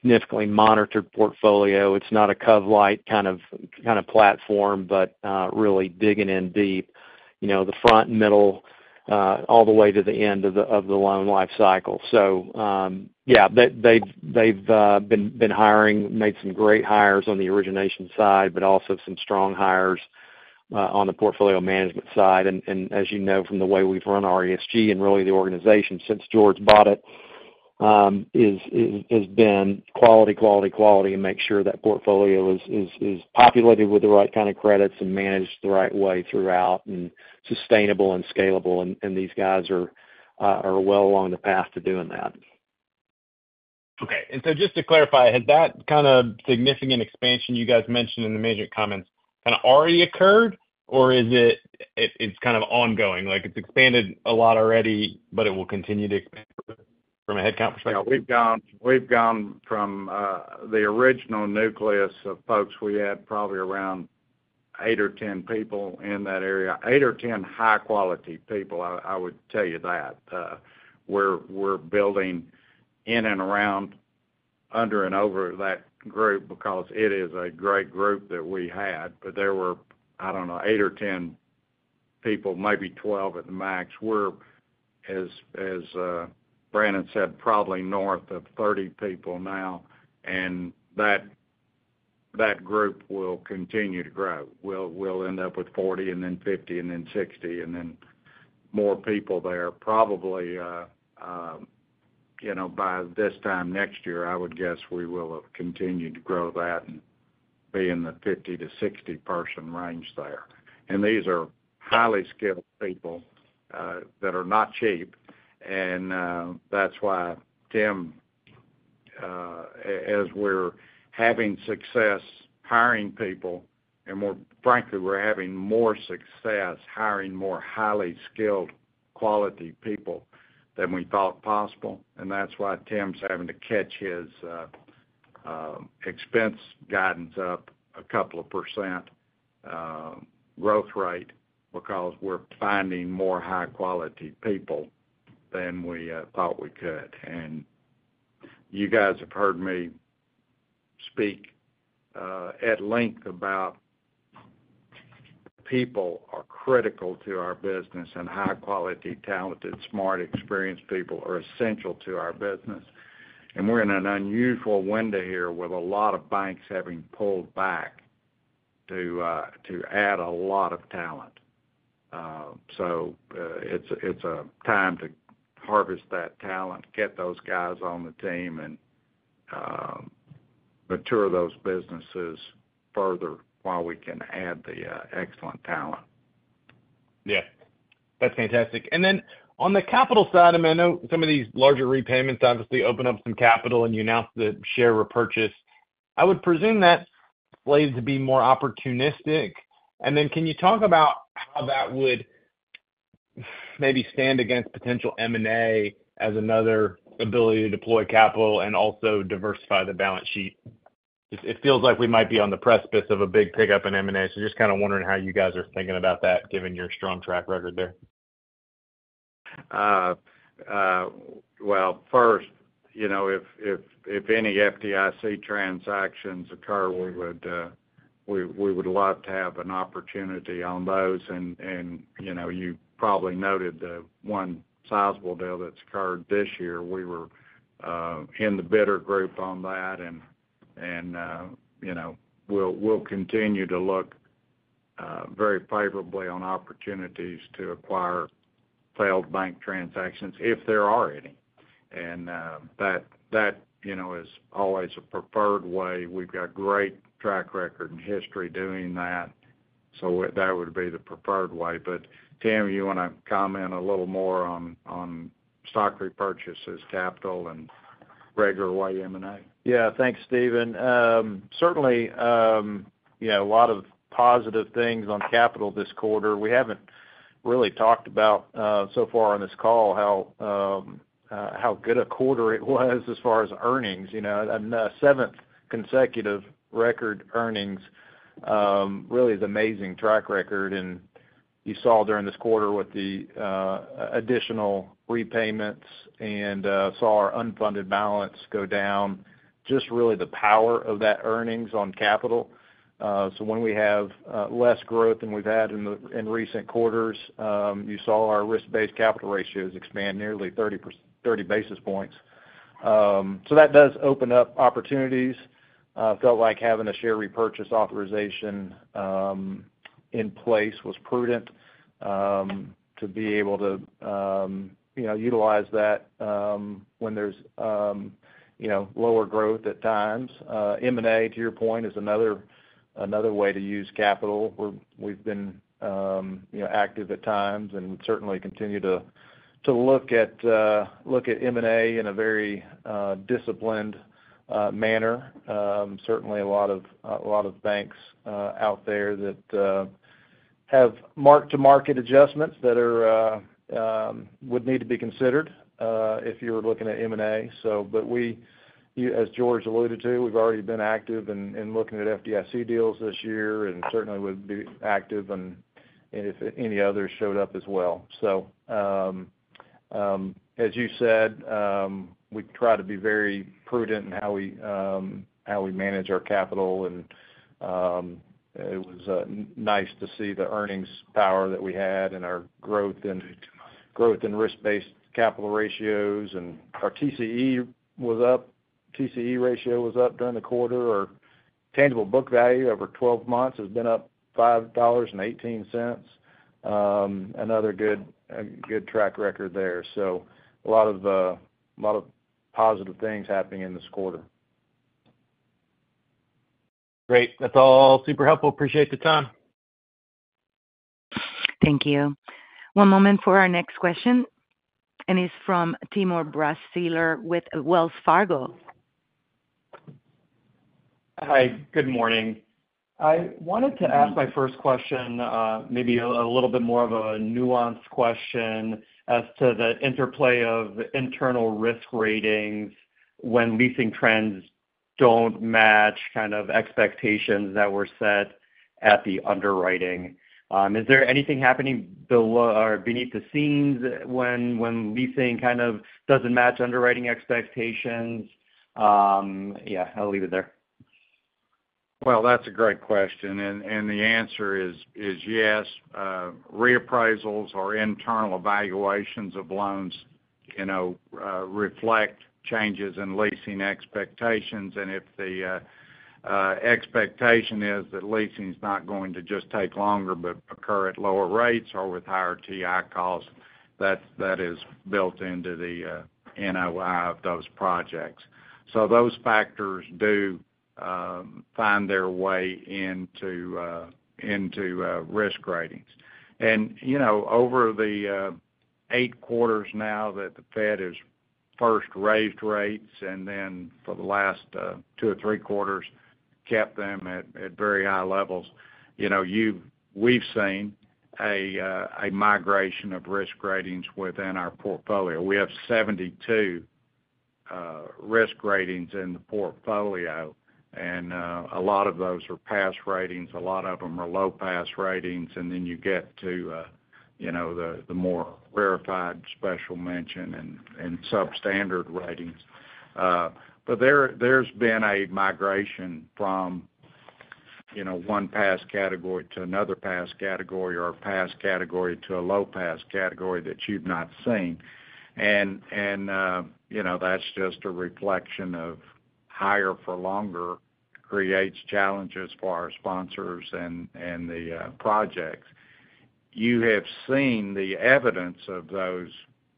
significantly monitored portfolio. It's not a cov-lite kind of platform, but really digging in deep, you know, the front, middle, all the way to the end of the loan life cycle. So, yeah, they've been hiring, made some great hires on the origination side, but also some strong hires on the portfolio management side. And as you know, from the way we've run RESG and really the organization since George bought it, has been quality, quality, quality, and make sure that portfolio is populated with the right kind of credits and managed the right way throughout, and sustainable and scalable, and these guys are well along the path to doing that. Okay. And so just to clarify, has that kind of significant expansion you guys mentioned in the major comments kind of already occurred, or is it, it's kind of ongoing? Like, it's expanded a lot already, but it will continue to expand from a headcount perspective? Yeah, we've gone from the original nucleus of folks. We had probably around eight or 10 people in that area, eight or 10 high-quality people, I would tell you that. We're building in and around, under and over that group because it is a great group that we had, but there were, I don't know, eight or 10 people, maybe 12 at the max. We're, as Brandon said, probably north of 30 people now, and that group will continue to grow. We'll end up with 40, and then 50, and then 60, and then more people there. Probably, you know, by this time next year, I would guess we will have continued to grow that and be in the 50 person-60 person range there. And these are highly skilled people that are not cheap. And that's why Tim, as we're having success hiring people, and more frankly, we're having more success hiring more highly skilled, quality people than we thought possible, and that's why Tim's having to catch his expense guidance up a couple of percent growth rate, because we're finding more high-quality people than we thought we could. And you guys have heard me speak at length about people are critical to our business, and high quality, talented, smart, experienced people are essential to our business. And we're in an unusual window here, with a lot of banks having pulled back, to add a lot of talent. So it's a time to harvest that talent, get those guys on the team, and mature those businesses further while we can add the excellent talent. Yeah, that's fantastic. And then on the capital side, I mean, I know some of these larger repayments obviously open up some capital, and you announced the share repurchase. I would presume that plays to be more opportunistic. And then, can you talk about how that would maybe stand against potential M&A as another ability to deploy capital and also diversify the balance sheet? It feels like we might be on the precipice of a big pickup in M&A, so just kind of wondering how you guys are thinking about that, given your strong track record there. Well, first, you know, if any FDIC transactions occur, we would love to have an opportunity on those. And, you know, you probably noted the one sizable deal that's occurred this year, we were in the bidder group on that. And, you know, we'll continue to look very favorably on opportunities to acquire failed bank transactions, if there are any. And, that, you know, is always a preferred way. We've got great track record and history doing that, so that would be the preferred way. But Tim, you want to comment a little more on stock repurchases, capital, and regular way M&A? Yeah. Thanks, Steven. Certainly, you know, a lot of positive things on capital this quarter. We haven't really talked about so far on this call how good a quarter it was as far as earnings. You know, and seventh consecutive record earnings really is amazing track record. And you saw during this quarter with the additional repayments and saw our unfunded balance go down, just really the power of that earnings on capital. So when we have less growth than we've had in recent quarters, you saw our risk-based capital ratios expand nearly 30 basis points. So that does open up opportunities. Felt like having a share repurchase authorization in place was prudent to be able to, you know, utilize that when there's, you know, lower growth at times. M&A, to your point, is another way to use capital. We've been, you know, active at times, and we certainly continue to look at M&A in a very disciplined manner. Certainly a lot of banks out there that have mark-to-market adjustments that would need to be considered if you were looking at M&A. But we, as George alluded to, we've already been active in looking at FDIC deals this year, and certainly would be active if any others showed up as well. So, as you said, we try to be very prudent in how we manage our capital. And, it was nice to see the earnings power that we had and our growth and risk-based capital ratios. And our TCE was up, TCE ratio was up during the quarter. Our tangible book value over 12 months has been up $5.18. Another good track record there. So a lot of positive things happening in this quarter. Great. That's all super helpful. Appreciate the time. Thank you. One moment for our next question, and it's from Timur Braziler with Wells Fargo. Hi, good morning. I wanted to ask my first question, maybe a little bit more of a nuanced question as to the interplay of internal risk ratings when leasing trends don't match kind of expectations that were set at the underwriting. Is there anything happening below or beneath the scenes when leasing kind of doesn't match underwriting expectations? Yeah, I'll leave it there. Well, that's a great question, and the answer is yes. Reappraisals or internal evaluations of loans, you know, reflect changes in leasing expectations, and if the expectation is that leasing is not going to just take longer, but occur at lower rates or with higher TI costs, that is built into the NOI of those projects. So those factors do find their way into risk ratings. And, you know, over the eight quarters now that the Fed has first raised rates, and then for the last two or three quarters, kept them at very high levels, you know, we've seen a migration of risk ratings within our portfolio. We have 72 risk ratings in the portfolio, and a lot of those are pass ratings, a lot of them are low pass ratings, and then you get to, you know, the more rarefied special mention and substandard ratings. But there, there's been a migration from, you know, one pass category to another pass category, or a pass category to a low pass category that you've not seen. And, you know, that's just a reflection of higher for longer creates challenges for our sponsors and the projects. You have seen the evidence of those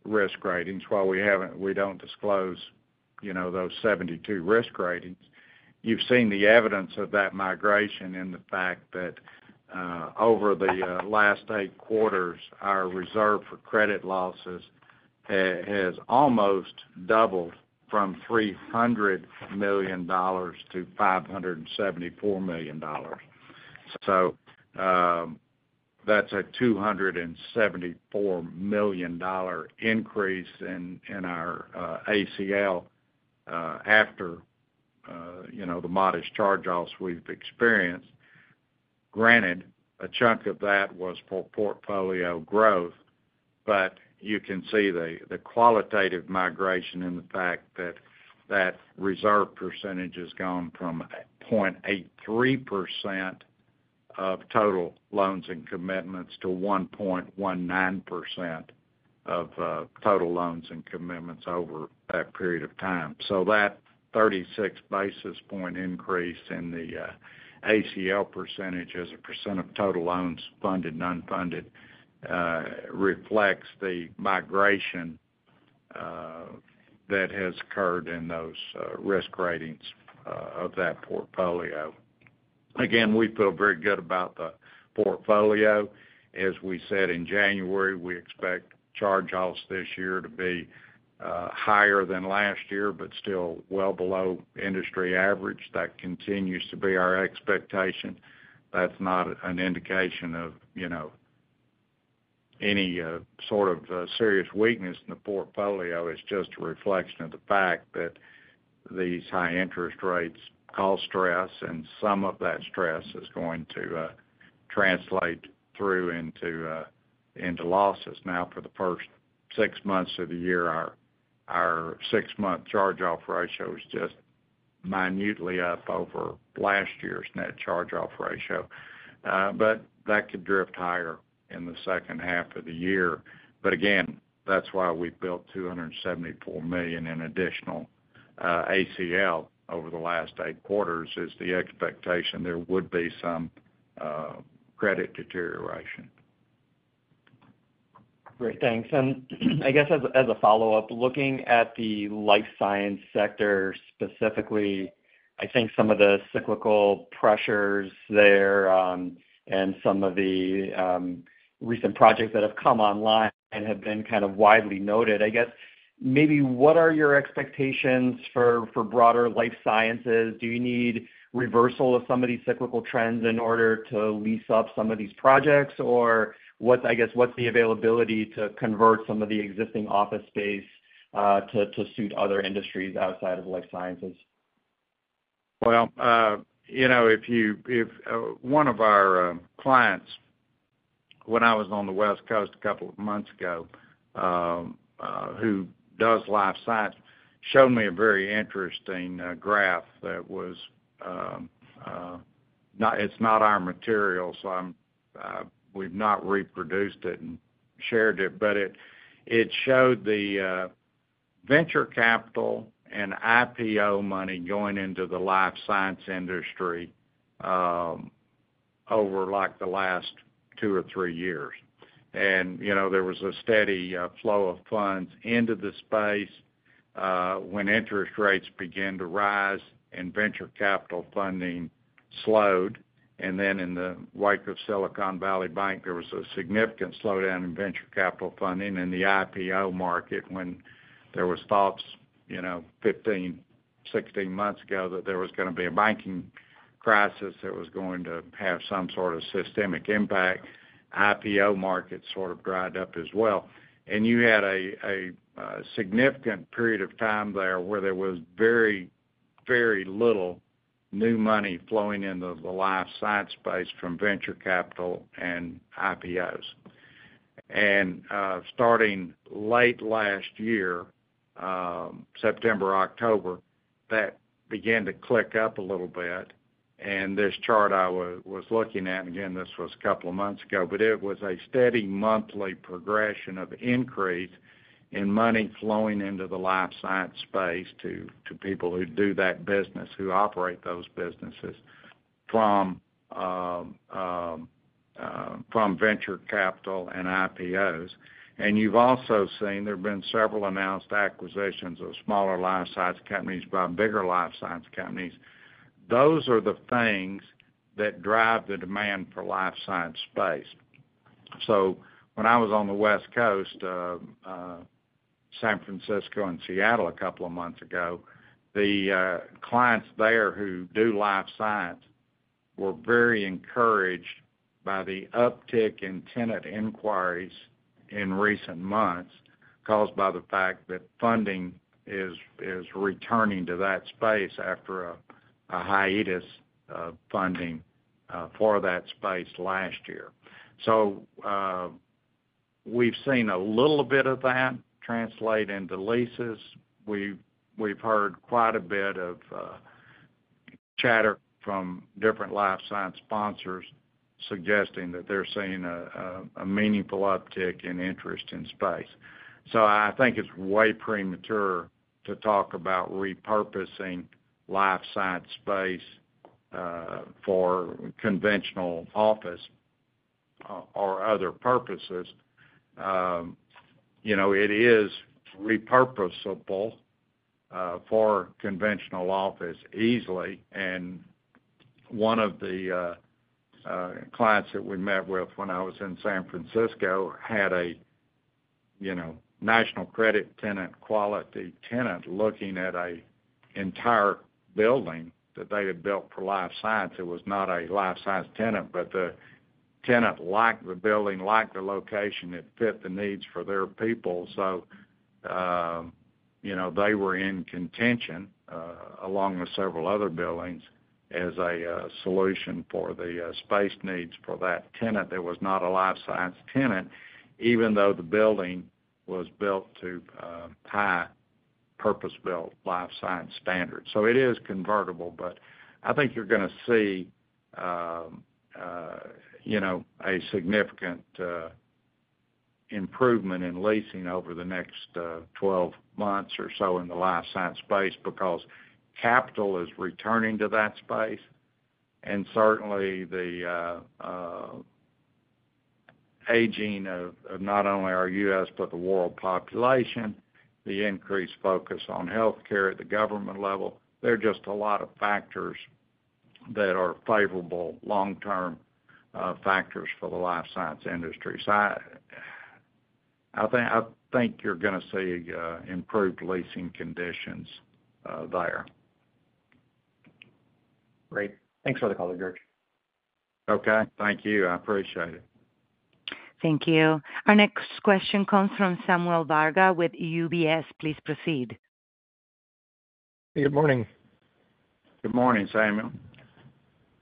risk ratings. While we haven't we don't disclose, you know, those 72 risk ratings, you've seen the evidence of that migration in the fact that, over the last 8 quarters, our reserve for credit losses has almost doubled from $300 million to $574 million. So, that's a $274 million dollar increase in our ACL, after you know, the modest charge-offs we've experienced. Granted, a chunk of that was for portfolio growth, but you can see the qualitative migration and the fact that that reserve percentage has gone from 0.83% of total loans and commitments to 1.19% of total loans and commitments over that period of time. So that 36 basis point increase in the ACL percentage as a percent of total loans, funded and unfunded, reflects the migration that has occurred in those risk ratings of that portfolio. Again, we feel very good about the portfolio. As we said in January, we expect charge-offs this year to be higher than last year, but still well below industry average. That continues to be our expectation. That's not an indication of, you know, any sort of serious weakness in the portfolio. It's just a reflection of the fact that these high interest rates cause stress, and some of that stress is going to translate through into into losses. Now, for the first six months of the year, our six-month charge-off ratio is just minutely up over last year's net charge-off ratio. but that could drift higher in the second half of the year. But again, that's why we've built $274 million in additional ACL over the last eight quarters, is the expectation there would be some credit deterioration. Great, thanks. I guess, as a follow-up, looking at the life science sector specifically, I think some of the cyclical pressures there, and some of the recent projects that have come online have been kind of widely noted. I guess, maybe what are your expectations for broader life sciences? Do you need reversal of some of these cyclical trends in order to lease up some of these projects, or what, I guess, what's the availability to convert some of the existing office space, to suit other industries outside of life sciences? Well, you know, one of our clients, when I was on the West Coast a couple of months ago, who does life science, showed me a very interesting graph. It's not our material, so we've not reproduced it and shared it, but it showed the venture capital and IPO money going into the life science industry, over, like, the last two or three years. You know, there was a steady flow of funds into the space when interest rates began to rise and venture capital funding slowed. And then in the wake of Silicon Valley Bank, there was a significant slowdown in venture capital funding. In the IPO market, when there was thoughts, you know, 15, 16 months ago, that there was gonna be a banking crisis that was going to have some sort of systemic impact, IPO market sort of dried up as well. And you had a significant period of time there where there was very, very little new money flowing into the life science space from venture capital and IPOs. And starting late last year, September, October, that began to click up a little bit. And this chart I was looking at, and again, this was a couple of months ago, but it was a steady monthly progression of increase in money flowing into the life science space to people who do that business, who operate those businesses, from venture capital and IPOs. You've also seen there have been several announced acquisitions of smaller life science companies by bigger life science companies. Those are the things that drive the demand for life science space. So when I was on the West Coast, San Francisco and Seattle, a couple of months ago, the clients there who do life science were very encouraged by the uptick in tenant inquiries in recent months, caused by the fact that funding is returning to that space after a hiatus of funding for that space last year. So, we've seen a little bit of that translate into leases. We've heard quite a bit of chatter from different life science sponsors suggesting that they're seeing a meaningful uptick in interest in space. So I think it's way premature to talk about repurposing life science space, for conventional office, or other purposes. You know, it is repurposable, for conventional office easily. And one of the clients that we met with when I was in San Francisco had a, you know, national credit tenant, quality tenant, looking at a entire building that they had built for life science. It was not a life science tenant, but the tenant liked the building, liked the location, it fit the needs for their people. So, you know, they were in contention, along with several other buildings as a solution for the space needs for that tenant. That was not a life science tenant, even though the building was built to high purpose-built life science standards. So it is convertible, but I think you're gonna see, you know, a significant improvement in leasing over the next 12 months or so in the life science space, because capital is returning to that space. And certainly, the aging of not only our U.S., but the world population, the increased focus on healthcare at the government level, there are just a lot of factors that are favorable long-term factors for the life science industry. So I think you're gonna see improved leasing conditions there. Great. Thanks for the call, George. Okay, thank you. I appreciate it. Thank you. Our next question comes from Samuel Varga with UBS. Please proceed. Good morning. Good morning, Samuel.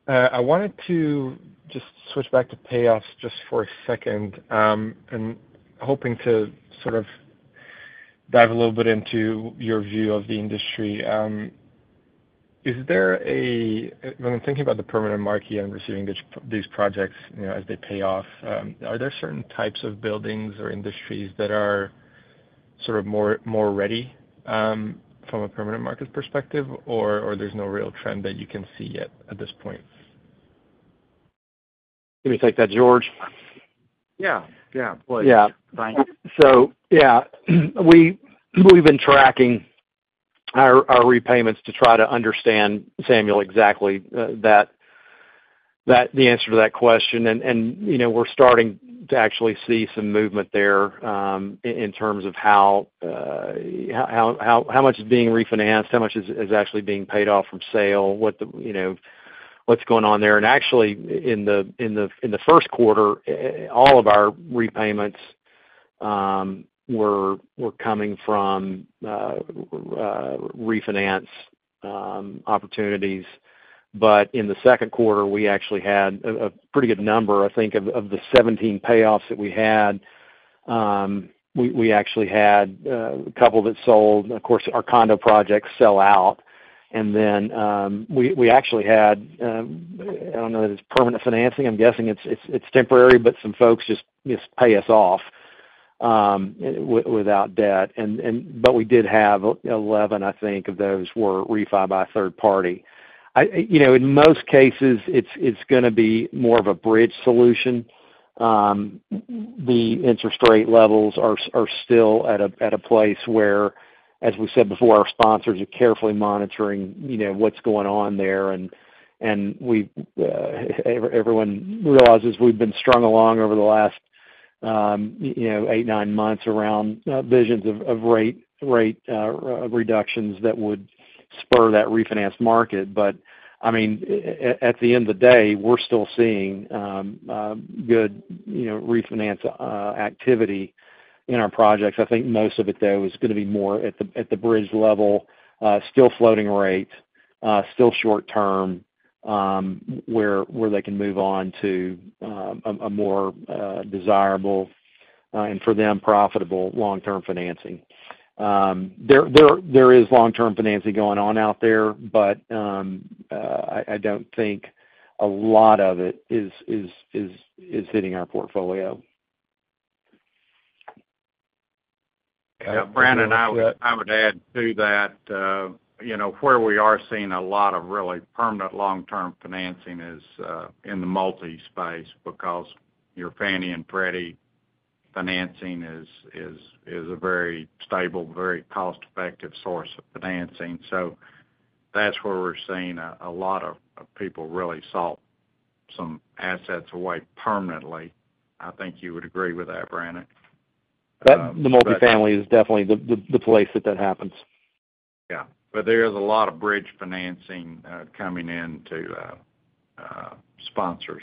I wanted to just switch back to payoffs just for a second, and hoping to sort of dive a little bit into your view of the industry. Is there a... When I'm thinking about the permanent market and receiving these, these projects, you know, as they pay off, are there certain types of buildings or industries that are sort of more, more ready, from a permanent market perspective, or, or there's no real trend that you can see yet at this point? Let me take that, George. Yeah, yeah, please, Brannon. Yeah. So yeah, we've been tracking our repayments to try to understand, Samuel, exactly that the answer to that question. And you know, we're starting to actually see some movement there in terms of how much is being refinanced, how much is actually being paid off from sale, what you know, what's going on there. And actually, in the first quarter, all of our repayments were coming from refinance opportunities. But in the second quarter, we actually had a pretty good number, I think, of the 17 payoffs that we had, we actually had a couple that sold. Of course, our condo projects sell out. And then, we actually had, I don't know if it's permanent financing. I'm guessing it's temporary, but some folks just pay us off without debt. But we did have 11, I think, of those were refi by a third party. You know, in most cases, it's gonna be more of a bridge solution. The interest rate levels are still at a place where, as we said before, our sponsors are carefully monitoring, you know, what's going on there. And everyone realizes we've been strung along over the last, you know, eight, nine months around visions of rate reductions that would spur that refinance market. But I mean, at the end of the day, we're still seeing good, you know, refinance activity in our projects. I think most of it, though, is gonna be more at the bridge level, still floating rates, still short term, where they can move on to a more desirable... and for them, profitable long-term financing. There is long-term financing going on out there, but I don't think a lot of it is hitting our portfolio. Yeah, Brandon, I would add to that, you know, where we are seeing a lot of really permanent long-term financing is in the multifamily space because your Fannie and Freddie financing is a very stable, very cost-effective source of financing. So that's where we're seeing a lot of people really sell some assets away permanently. I think you would agree with that, Brandon. That the multifamily is definitely the place that happens. Yeah. But there is a lot of bridge financing coming in to sponsors.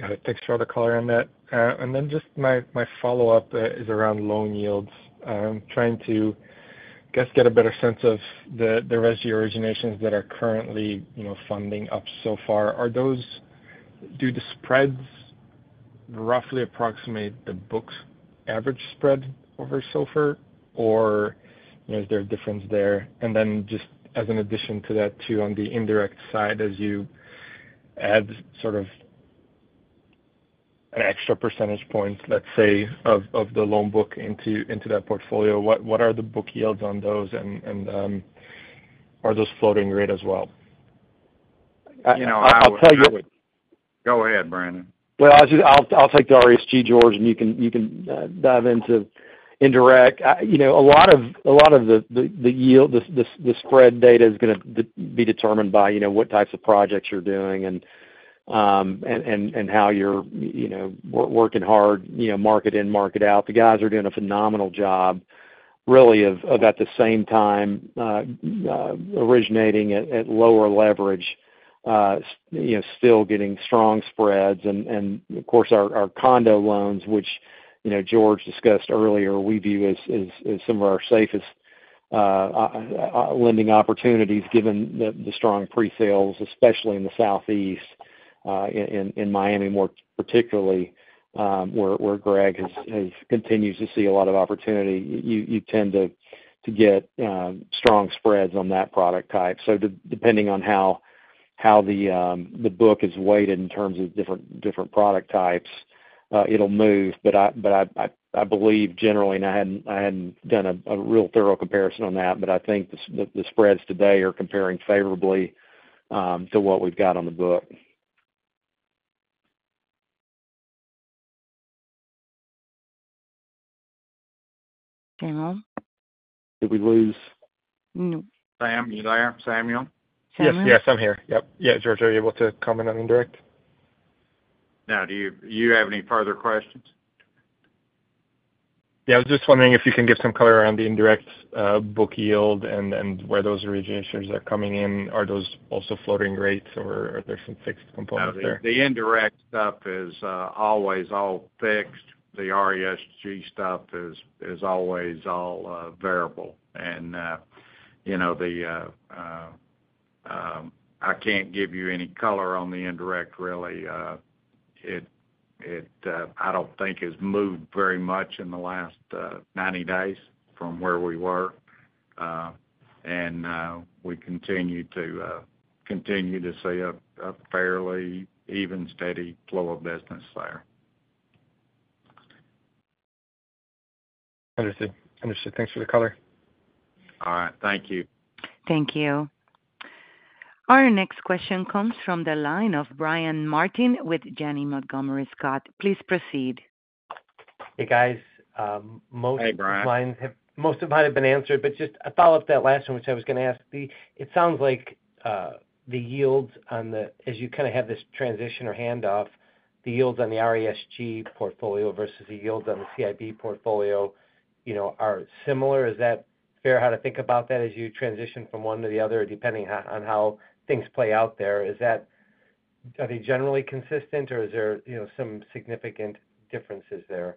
Got it. Thanks for all the color on that. And then just my, my follow-up is around loan yields. I'm trying to, I guess, get a better sense of the, the resi originations that are currently, you know, funding up so far. Are those- do the spreads roughly approximate the book's average spread over SOFR, or, you know, is there a difference there? And then just as an addition to that, too, on the indirect side, as you add sort of an extra percentage point, let's say, of, of the loan book into, into that portfolio, what, what are the book yields on those, and, and, are those floating rate as well? You know, I'll tell you what- Go ahead, Brandon. Well, I'll take the RESG, George, and you can dive into indirect. You know, a lot of the yield, the spread data is going to be determined by, you know, what types of projects you're doing and how you're working hard, you know, market in, market out. The guys are doing a phenomenal job really of at the same time originating at lower leverage, you know, still getting strong spreads. And of course, our condo loans, which, you know, George discussed earlier, we view as some of our safest lending opportunities, given the strong presales, especially in the Southeast, in Miami, more particularly, where Greg continues to see a lot of opportunity. You tend to get strong spreads on that product type. So depending on how the book is weighted in terms of different product types, it'll move. But I believe generally, and I hadn't done a real thorough comparison on that, but I think the spreads today are comparing favorably to what we've got on the book. Samuel? Did we lose- No. Sam, are you there? Samuel? Yes. Yes, I'm here. Yep. Yeah, George, are you able to comment on indirect? Now, do you, do you have any further questions? Yeah, I was just wondering if you can give some color around the indirect book yield and where those originations are coming in. Are those also floating rates, or are there some fixed components there? The indirect stuff is always all fixed. The RESG stuff is always all variable. And you know, I can't give you any color on the indirect, really. It, I don't think, has moved very much in the last 90 days from where we were. And we continue to see a fairly even, steady flow of business there. Understood. Understood. Thanks for the color. All right. Thank you. Thank you. Our next question comes from the line of Brian Martin with Janney Montgomery Scott. Please proceed. Hey, guys. Hey, Brian. Most of mine have been answered, but just a follow-up to that last one, which I was going to ask. It sounds like the yields on the, as you kind of have this transition or handoff, the yields on the RESG portfolio versus the yields on the CIB portfolio, you know, are similar. Is that fair, how to think about that as you transition from one to the other, depending on how things play out there? Is that... Are they generally consistent, or is there, you know, some significant differences there?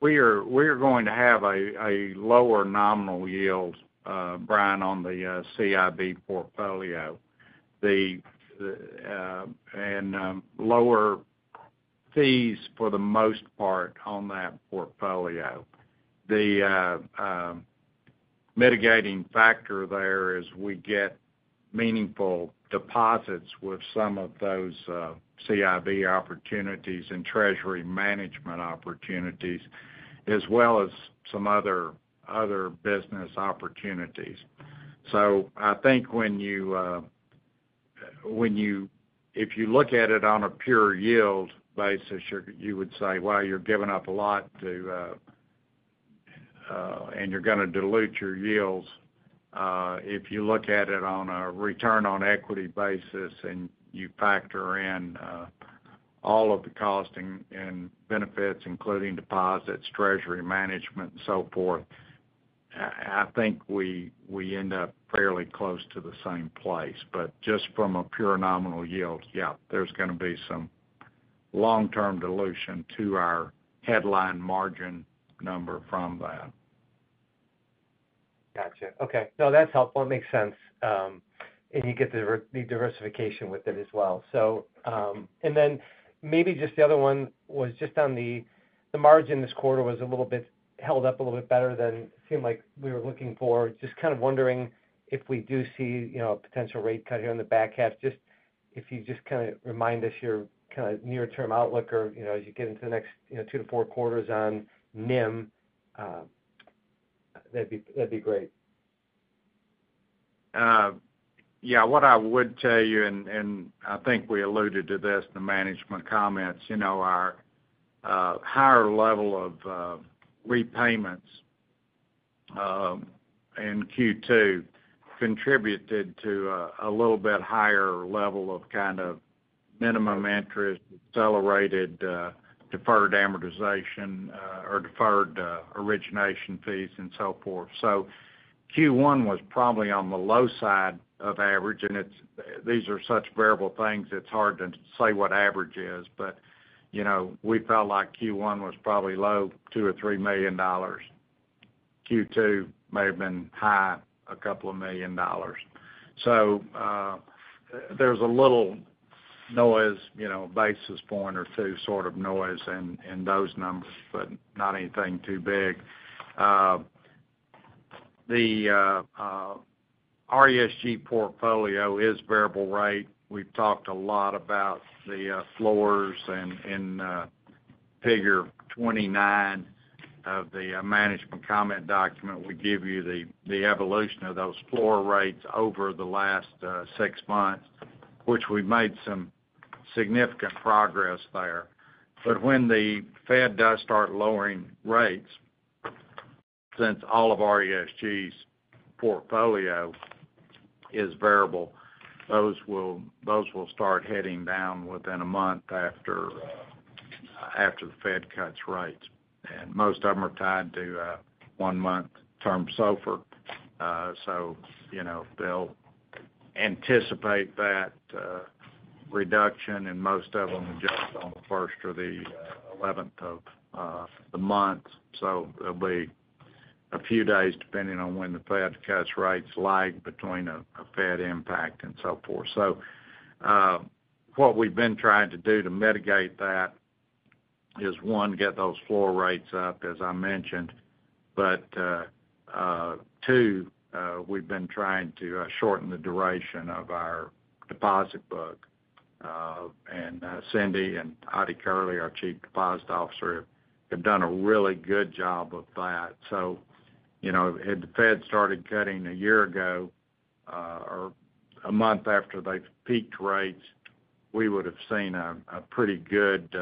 We are going to have a lower nominal yield, Brian, on the CIB portfolio, and lower fees for the most part on that portfolio. The mitigating factor there is we get meaningful deposits with some of those CIB opportunities and treasury management opportunities, as well as some other business opportunities. So I think when you look at it on a pure yield basis, you would say, well, you're giving up a lot, and you're going to dilute your yields. If you look at it on a return on equity basis, and you factor in all of the costing and benefits, including deposits, treasury management, and so forth, I think we end up fairly close to the same place. But just from a pure nominal yield, yeah, there's going to be some long-term dilution to our headline margin number from that. ... Gotcha. Okay. No, that's helpful. It makes sense, and you get the diversification with it as well. So, and then maybe just the other one was just on the margin this quarter was a little bit held up a little bit better than it seemed like we were looking for. Just kind of wondering if we do see, you know, a potential rate cut here in the back half, just if you just kind of remind us your kind of near-term outlook or, you know, as you get into the next, you know, two to four quarters on NIM, that'd be, that'd be great. Yeah, what I would tell you, and I think we alluded to this in the management comments, you know, our higher level of repayments in Q2 contributed to a little bit higher level of kind of minimum interest, accelerated deferred amortization or deferred origination fees, and so forth. So Q1 was probably on the low side of average, and it's these are such variable things, it's hard to say what average is. But, you know, we felt like Q1 was probably low, $2 million or $3 million. Q2 may have been high, $2 million. So, there's a little noise, you know, a basis point or two sort of noise in those numbers, but not anything too big. The RESG portfolio is variable rate. We've talked a lot about the floors, and in Figure 29 of the management comment document, we give you the evolution of those floor rates over the last six months, which we've made some significant progress there. But when the Fed does start lowering rates, since all of RESG's portfolio is variable, those will start heading down within a month after the Fed cuts rates. And most of them are tied to a one-month term SOFR. So, you know, they'll anticipate that reduction, and most of them adjust on the first or the eleventh of the month. So there'll be a few days, depending on when the Fed cuts rates, lag between a Fed impact and so forth. So, what we've been trying to do to mitigate that is, one, get those floor rates up, as I mentioned. But, two, we've been trying to shorten the duration of our deposit book. And, Cindy and Ottie Kerley, our Chief Deposit Officer, have done a really good job of that. So, you know, had the Fed started cutting a year ago, or a month after they've peaked rates, we would have seen a pretty good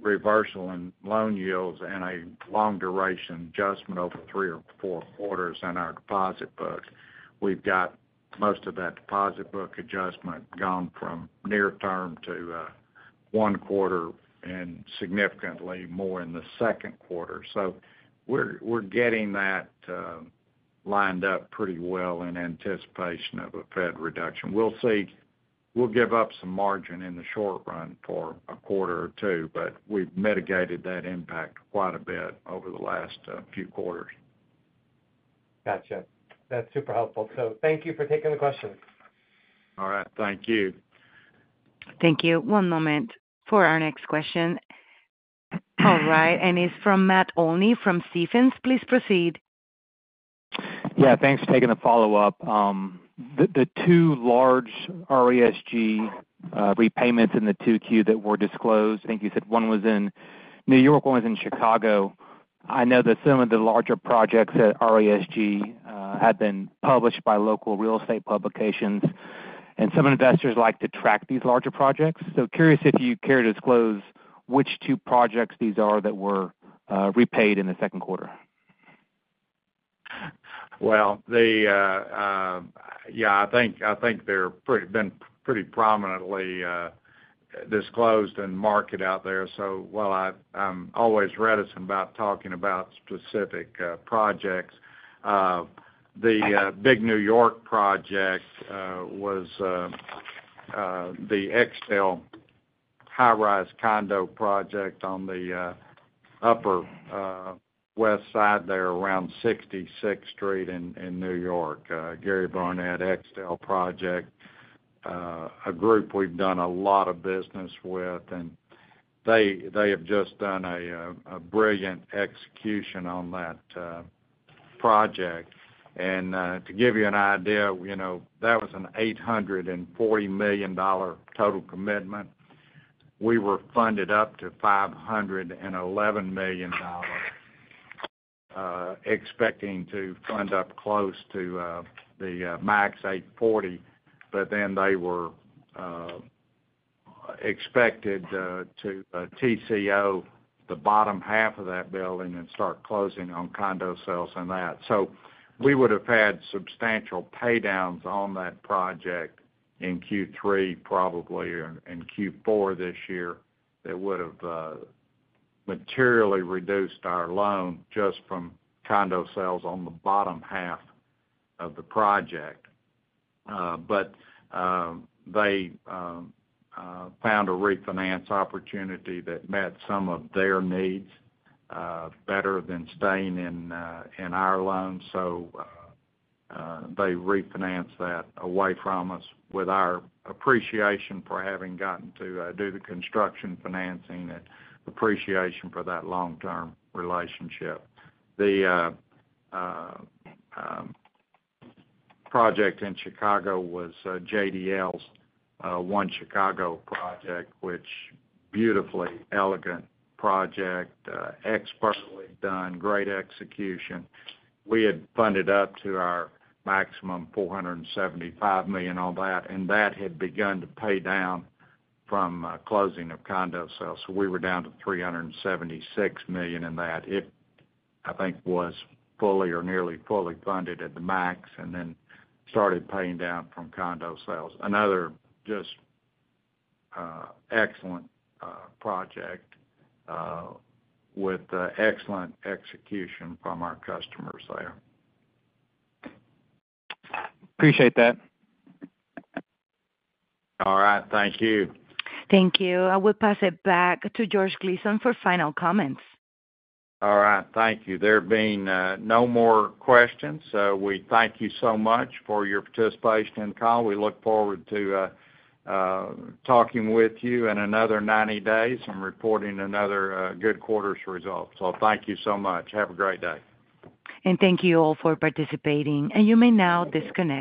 reversal in loan yields and a long-duration adjustment over three or four quarters in our deposit book. We've got most of that deposit book adjustment gone from near term to one quarter and significantly more in the second quarter. So we're getting that lined up pretty well in anticipation of a Fed reduction. We'll see. We'll give up some margin in the short run for a quarter or two, but we've mitigated that impact quite a bit over the last few quarters. Gotcha. That's super helpful. So thank you for taking the question. All right. Thank you. Thank you. One moment for our next question. All right, and it's from Matt Olney, from Stephens. Please proceed. Yeah, thanks for taking the follow-up. The two large RESG repayments in the 2Q that were disclosed, I think you said one was in New York, one was in Chicago. I know that some of the larger projects at RESG have been published by local real estate publications, and some investors like to track these larger projects. So curious if you care to disclose which two projects these are that were repaid in the second quarter? Well, yeah, I think they've been pretty prominently disclosed and marketed out there. So while I'm always reticent about talking about specific projects, the big New York project was the Extell high-rise condo project on the Upper West Side there, around Sixty-Sixth Street in New York. Gary Barnett, Extell project, a group we've done a lot of business with, and they have just done a brilliant execution on that project. And, to give you an idea, you know, that was an $840 million total commitment. We were funded up to $511 million, expecting to fund up close to the max $840, but then they were expected to TCO the bottom half of that building and start closing on condo sales on that. So we would have had substantial paydowns on that project in Q3, probably, or in Q4 this year, that would have materially reduced our loan just from condo sales on the bottom half of the project. But they found a refinance opportunity that met some of their needs better than staying in our loan. So they refinanced that away from us with our appreciation for having gotten to do the construction financing and appreciation for that long-term relationship. The project in Chicago was JDL's One Chicago project, which beautifully elegant project, expertly done, great execution. We had funded up to our maximum, $475 million on that, and that had begun to pay down from closing of condo sales. So we were down to $376 million in that. It, I think, was fully or nearly fully funded at the max and then started paying down from condo sales. Another just excellent project with excellent execution from our customers there. Appreciate that. All right. Thank you. Thank you. I will pass it back to George Gleason for final comments. All right. Thank you. There being no more questions, so we thank you so much for your participation in the call. We look forward to talking with you in another 90 days and reporting another good quarter's results. So thank you so much. Have a great day. Thank you all for participating, and you may now disconnect.